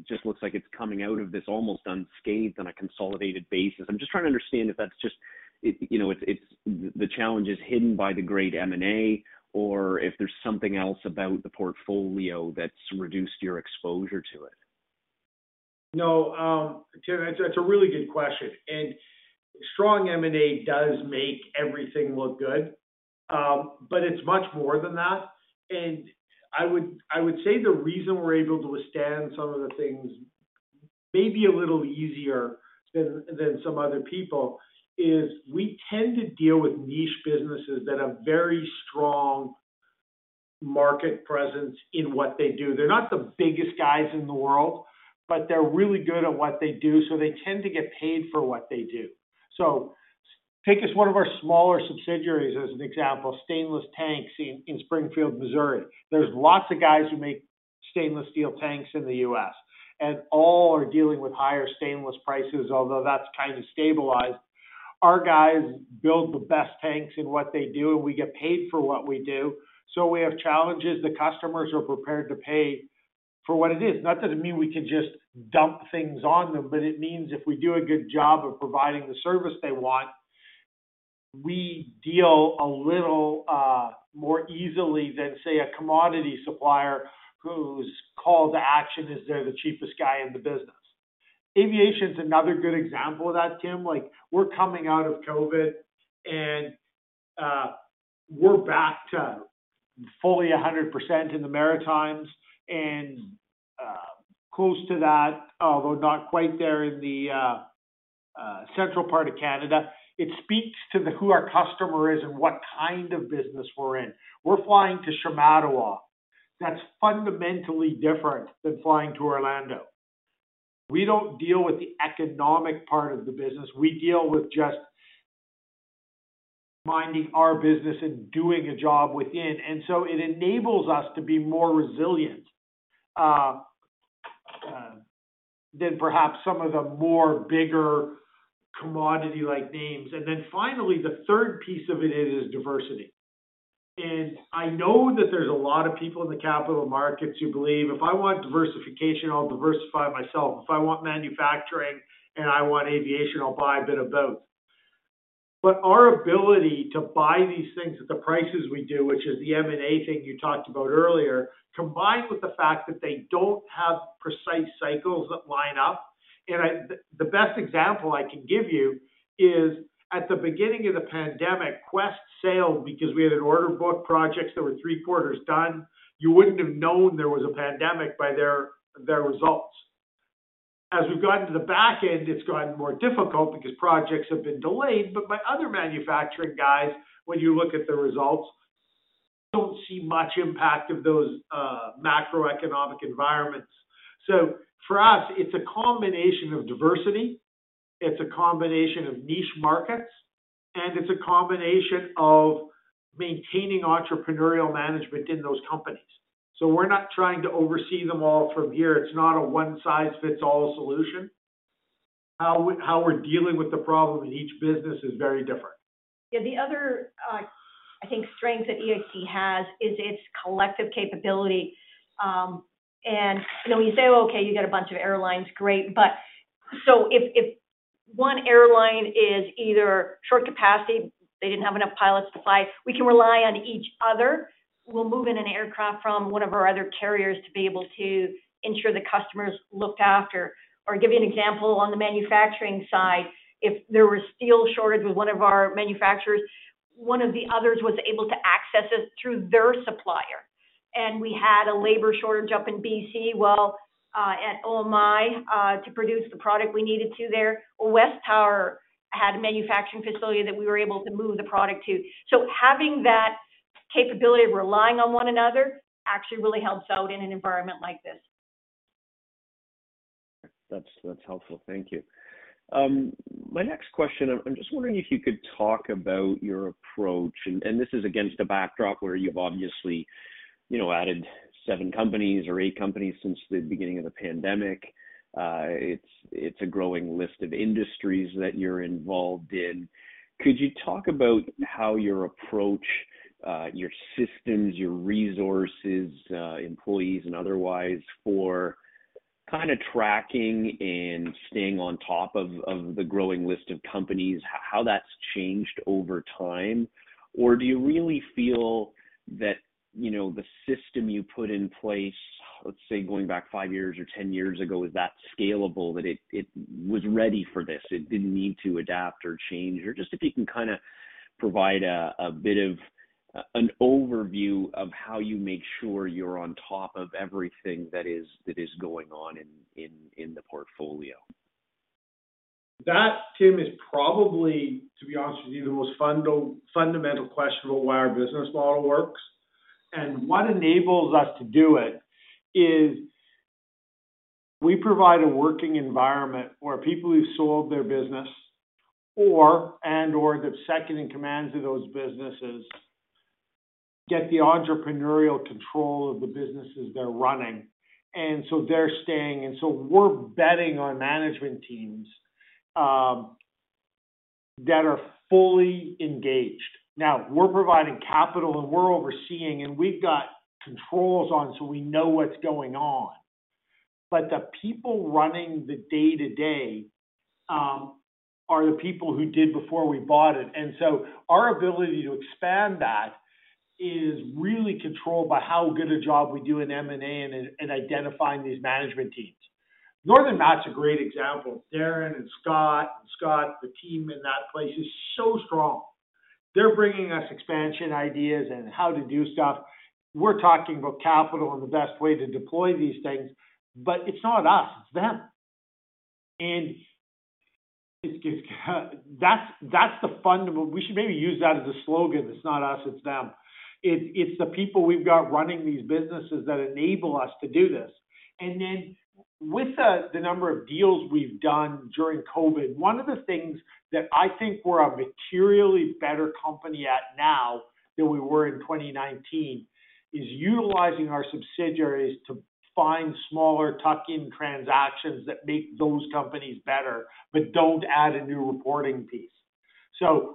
just looks like it's coming out of this almost unscathed on a consolidated basis. I'm just trying to understand if that's just, you know, it's the challenge is hidden by the great M&A or if there's something else about the portfolio that's reduced your exposure to it. No, Tim, that's a really good question. Strong M&A does make everything look good, but it's much more than that. I would say the reason we're able to withstand some of the things maybe a little easier than some other people is we tend to deal with niche businesses that have very strong market presence in what they do. They're not the biggest guys in the world, but they're really good at what they do, so they tend to get paid for what they do. Take one of our smaller subsidiaries as an example, Stainless Fabrication in Springfield, Missouri. There's lots of guys who make stainless steel tanks in the U.S., and all are dealing with higher stainless prices although that's kind of stabilized. Our guys build the best tanks in what they do, and we get paid for what we do. We have challenges. The customers are prepared to pay for what it is. Not that it mean we can just dump things on them, but it means if we do a good job of providing the service they want, we deal a little more easily than, say, a commodity supplier whose call to action is they're the cheapest guy in the business. Aviation's another good example of that, Tim. Like, we're coming out of COVID and we're back to fully 100% in the matter of times and close to that, although not quite there in the central part of Canada. It speaks to who our customer is and what kind of business we're in. We're flying to Shamattawa. That's fundamentally different than flying to Orlando. We don't deal with the economic part of the business. We deal with just minding our business and doing a job within. It enables us to be more resilient than perhaps some of the more bigger commodity like names. Finally, the third piece of it is diversity. I know that there's a lot of people in the capital markets who believe if I want diversification, I'll diversify myself. If I want manufacturing and I want aviation, I'll buy a bit of both. Our ability to buy these things at the prices we do, which is the M&A thing you talked about earlier, combined with the fact that they don't have precise cycles that line up. The best example I can give you is at the beginning of the pandemic, Quest sailed because we had an order book projects that were three-quarters done. You wouldn't have known there was a pandemic by their results. As we've gotten to the back end, it's gotten more difficult because projects have been delayed. My other manufacturing guys, when you look at the results, don't see much impact of those macroeconomic environments. For us, it's a combination of diversity, it's a combination of niche markets, and it's a combination of maintaining entrepreneurial management in those companies. We're not trying to oversee them all from here. It's not a one-size-fits-all solution. How we're dealing with the problem in each business is very different. Yeah. The other, I think strength that EIC has is its collective capability. You know, when you say, okay, you got a bunch of airlines, great. If one airline is either short capacity, they didn't have enough pilots to fly, we can rely on each other. We'll move in an aircraft from one of our other carriers to be able to ensure the customer's looked after. Give you an example on the manufacturing side, if there was steel shortage with one of our manufacturers, one of the others was able to access it through their supplier. We had a labor shortage up in BC, well, at Overlanders, to produce the product we needed to there. Well, WesTower had a manufacturing facility that we were able to move the product to. Having that capability of relying on one another actually really helps out in an environment like this. That's helpful. Thank you. My next question, I'm just wondering if you could talk about your approach. This is against a backdrop where you've obviously, you know, added seven companies or eight companies since the beginning of the pandemic. It's a growing list of industries that you're involved in. Could you talk about how your approach, your systems, your resources, employees and otherwise, for kind of tracking and staying on top of the growing list of companies, how that's changed over time? Or do you really feel that, you know, the system you put in place, let's say going back five years or ten years ago, is that scalable, that it was ready for this, it didn't need to adapt or change? Just if you can kind of provide a bit of an overview of how you make sure you're on top of everything that is going on in the portfolio. That, Tim, is probably, to be honest with you, the most fundamental question about why our business model works. What enables us to do it is we provide a working environment where people who've sold their business or and/or the second in commands of those businesses get the entrepreneurial control of the businesses they're running. They're staying. We're betting on management teams that are fully engaged. Now, we're providing capital and we're overseeing, and we've got controls, so we know what's going on. The people running the day-to-day are the people who did before we bought it. Our ability to expand that is really controlled by how good a job we do in M&A and in identifying these management teams. Northern Mat's a great example. Darren and Scott, the team in that place is so strong. They're bringing us expansion ideas and how to do stuff. We're talking about capital and the best way to deploy these things, but it's not us, it's them. We should maybe use that as a slogan. It's not us, it's them. It's the people we've got running these businesses that enable us to do this. With the number of deals we've done during COVID, one of the things that I think we're a materially better company at now than we were in 2019 is utilizing our subsidiaries to find smaller tuck-in transactions that make those companies better, but don't add a new reporting piece.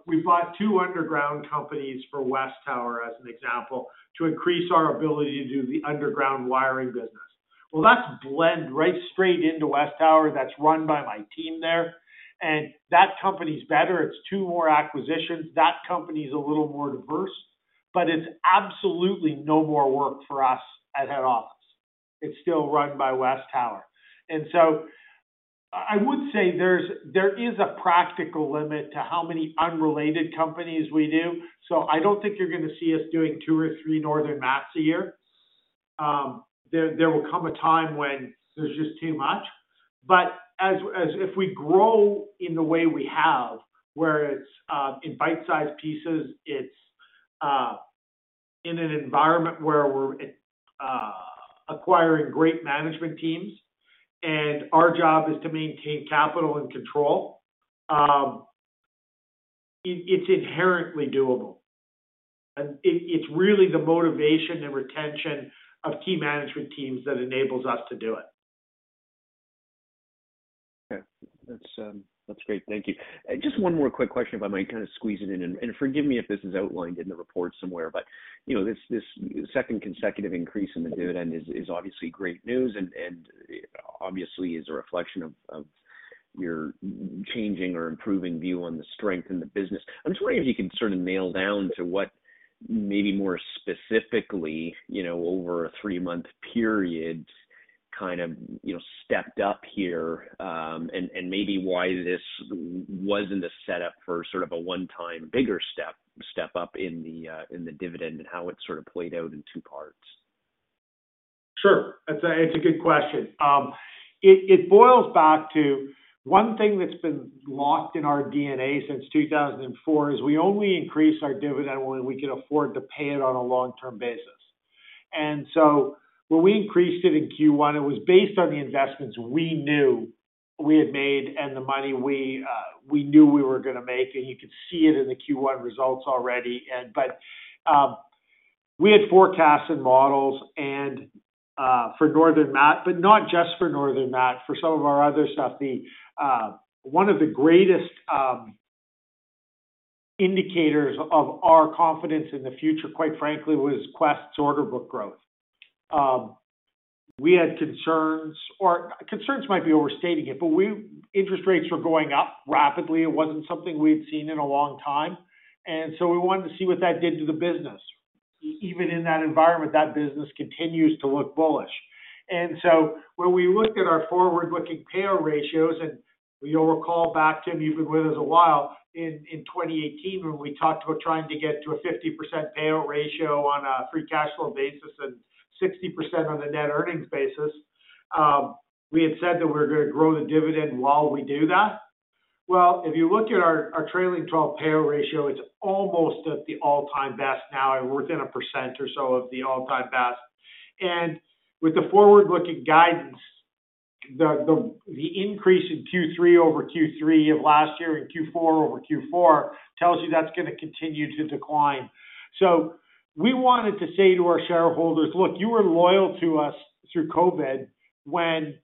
We bought two underground companies for WesTower, as an example, to increase our ability to do the underground wiring business. Well, that blends right straight into WesTower. That's run by my team there. That company's better. It's two more acquisitions. That company's a little more diverse. It's absolutely no more work for us at head office. It's still run by WesTower. I would say there is a practical limit to how many unrelated companies we do. I don't think you're gonna see us doing two or three Northern Mat a year. There will come a time when there's just too much. If we grow in the way we have, where it's in bite-sized pieces, it's in an environment where we're acquiring great management teams, and our job is to maintain capital and control. It's inherently doable. It's really the motivation and retention of key management teams that enables us to do it. Okay. That's great. Thank you. Just one more quick question, if I might kind of squeeze it in, and forgive me if this is outlined in the report somewhere, but you know, this second consecutive increase in the dividend is obviously great news and obviously is a reflection of your changing or improving view on the strength in the business. I'm just wondering if you can sort of nail down to what maybe more specifically, you know, over a three-month period, kind of, you know, stepped up here, and maybe why this wasn't a setup for sort of a one-time bigger step up in the dividend and how it sort of played out in two parts. Sure. That's a good question. It boils back to one thing that's been locked in our DNA since 2004 is we only increase our dividend when we can afford to pay it on a long-term basis. When we increased it in Q1, it was based on the investments we knew we had made and the money we knew we were gonna make, and you could see it in the Q1 results already. But we had forecasts and models and for Northern Mat, but not just for Northern Mat, for some of our other stuff. One of the greatest indicators of our confidence in the future, quite frankly, was Quest's order book growth. We had concerns or concerns might be overstating it, but interest rates were going up rapidly. It wasn't something we had seen in a long time, and so we wanted to see what that did to the business. Even in that environment, that business continues to look bullish. When we looked at our forward-looking payout ratios, and you'll recall back, Tim, you've been with us a while, in 2018 when we talked about trying to get to a 50% payout ratio on a free cash flow basis and 60% on the net earnings basis, we had said that we were gonna grow the dividend while we do that. Well, if you look at our trailing 12 payout ratio, it's almost at the all-time best now. We're within a percent or so of the all-time best. With the forward-looking guidance, the increase in Q3-over-Q3 of last year and Q4-over-Q4 tells you that's gonna continue to decline. We wanted to say to our shareholders, "Look, you were loyal to us through COVID when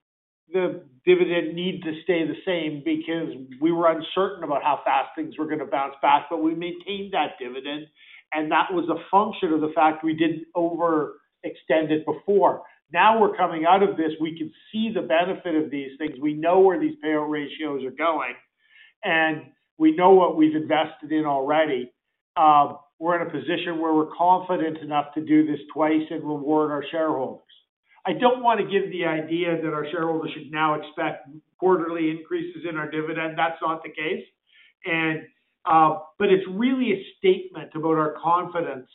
the dividend needed to stay the same because we were uncertain about how fast things were gonna bounce back. But we maintained that dividend, and that was a function of the fact we didn't overextend it before. Now we're coming out of this, we can see the benefit of these things. We know where these payout ratios are going, and we know what we've invested in already. We're in a position where we're confident enough to do this twice and reward our shareholders." I don't want to give the idea that our shareholders should now expect quarterly increases in our dividend. That's not the case. It's really a statement about our confidence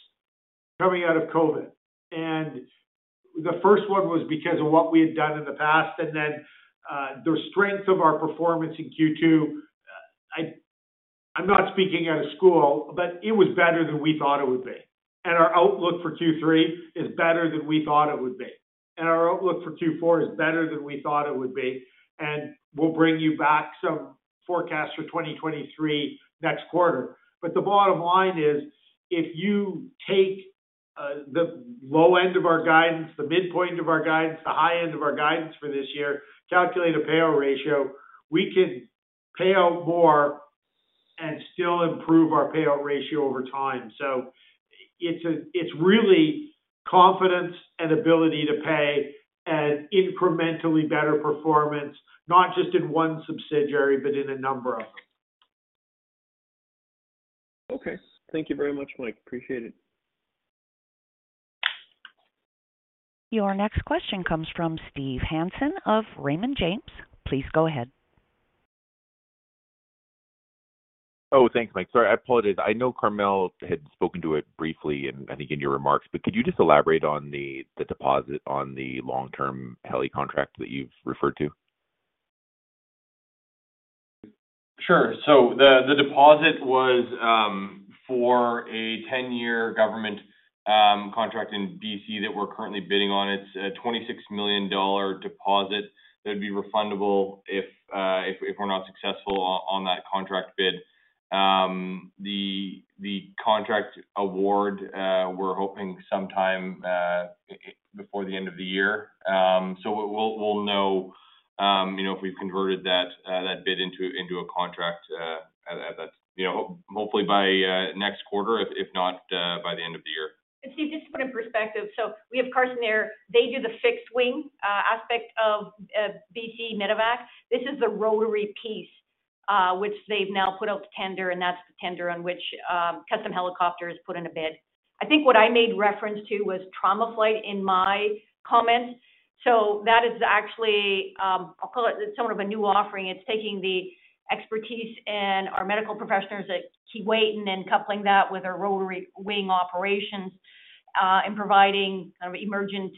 coming out of COVID. The first one was because of what we had done in the past and then the strength of our performance in Q2. I'm not speaking out of school, but it was better than we thought it would be. Our outlook for Q3 is better than we thought it would be. Our outlook for Q4 is better than we thought it would be. We'll bring you back some forecasts for 2023 next quarter. The bottom line is, if you take the low end of our guidance, the midpoint of our guidance, the high end of our guidance for this year, calculate a payout ratio, we can pay out more and still improve our payout ratio over time. It's really confidence and ability to pay and incrementally better performance, not just in one subsidiary, but in a number of them. Okay. Thank you very much, Mike. Appreciate it. Your next question comes from Steve Hansen of Raymond James. Please go ahead. Oh, thanks, Mike. Sorry, I apologize. I know Carmele had spoken to it briefly and I think in your remarks, but could you just elaborate on the deposit on the long-term heli contract that you've referred to? Sure. The deposit was for a 10 year government contract in BC that we're currently bidding on. It's a $26 million deposit that would be refundable if we're not successful on that contract bid. The contract award, we're hoping sometime before the end of the year. We'll know, you know, if we've converted that bid into a contract at that. You know, hopefully by next quarter, if not, by the end of the year. Steve, just to put it in perspective, so we have Carson Air. They do the fixed wing aspect of BC Medevac. This is the rotary piece, which they've now put out to tender, and that's the tender on which Custom Helicopters has put in a bid. I think what I made reference to was Trauma Flight in my comments. So that is actually, I'll call it sort of a new offering. It's taking the expertise and our medical professionals at Keewatin Air and then coupling that with our rotary wing operations, and providing kind of emergent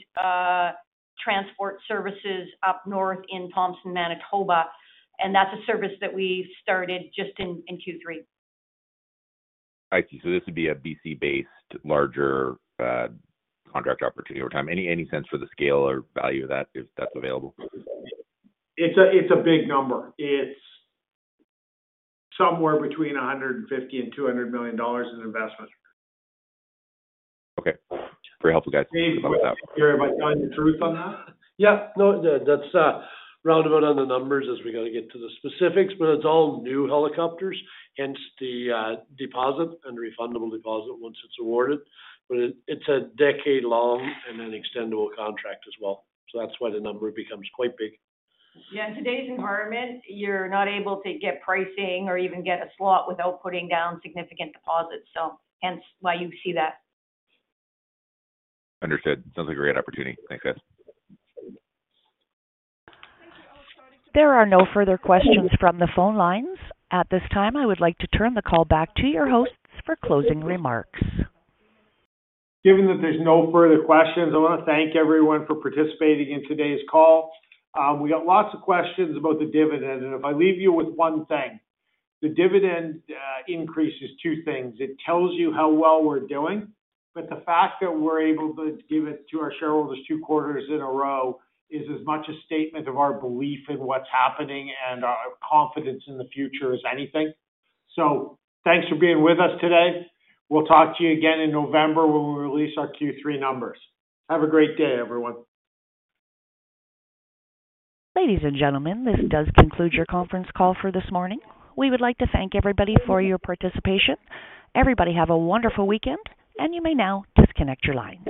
transport services up north in Thompson, Manitoba. That's a service that we started just in Q3. I see. This would be a BC-based larger contract opportunity over time. Any sense for the scale or value of that if that's available? It's a big number. It's somewhere between $ 150 million-$ 200 million in investments. Okay. Very helpful, guys. Thanks for that. Yeah. No, that's roundabout on the numbers as we gotta get to the specifics, but it's all new helicopters, hence the deposit and refundable deposit once it's awarded. It's a decade long and an extendable contract as well, so that's why the number becomes quite big. Yeah. In today's environment, you're not able to get pricing or even get a slot without putting down significant deposits, so hence why you see that. Understood. Sounds a great opportunity. Thanks, guys. There are no further questions from the phone lines. At this time, I would like to turn the call back to your hosts for closing remarks. Given that there's no further questions, I wanna thank everyone for participating in today's call. We got lots of questions about the dividend, and if I leave you with one thing, the dividend increase is two things. It tells you how well we're doing, but the fact that we're able to give it to our shareholders two quarters in a row is as much a statement of our belief in what's happening and our confidence in the future as anything. Thanks for being with us today. We'll talk to you again in November when we release our Q3 numbers. Have a great day, everyone. Ladies and gentlemen, this does conclude your conference call for this morning. We would like to thank everybody for your participation. Everybody, have a wonderful weekend, and you may now disconnect your lines.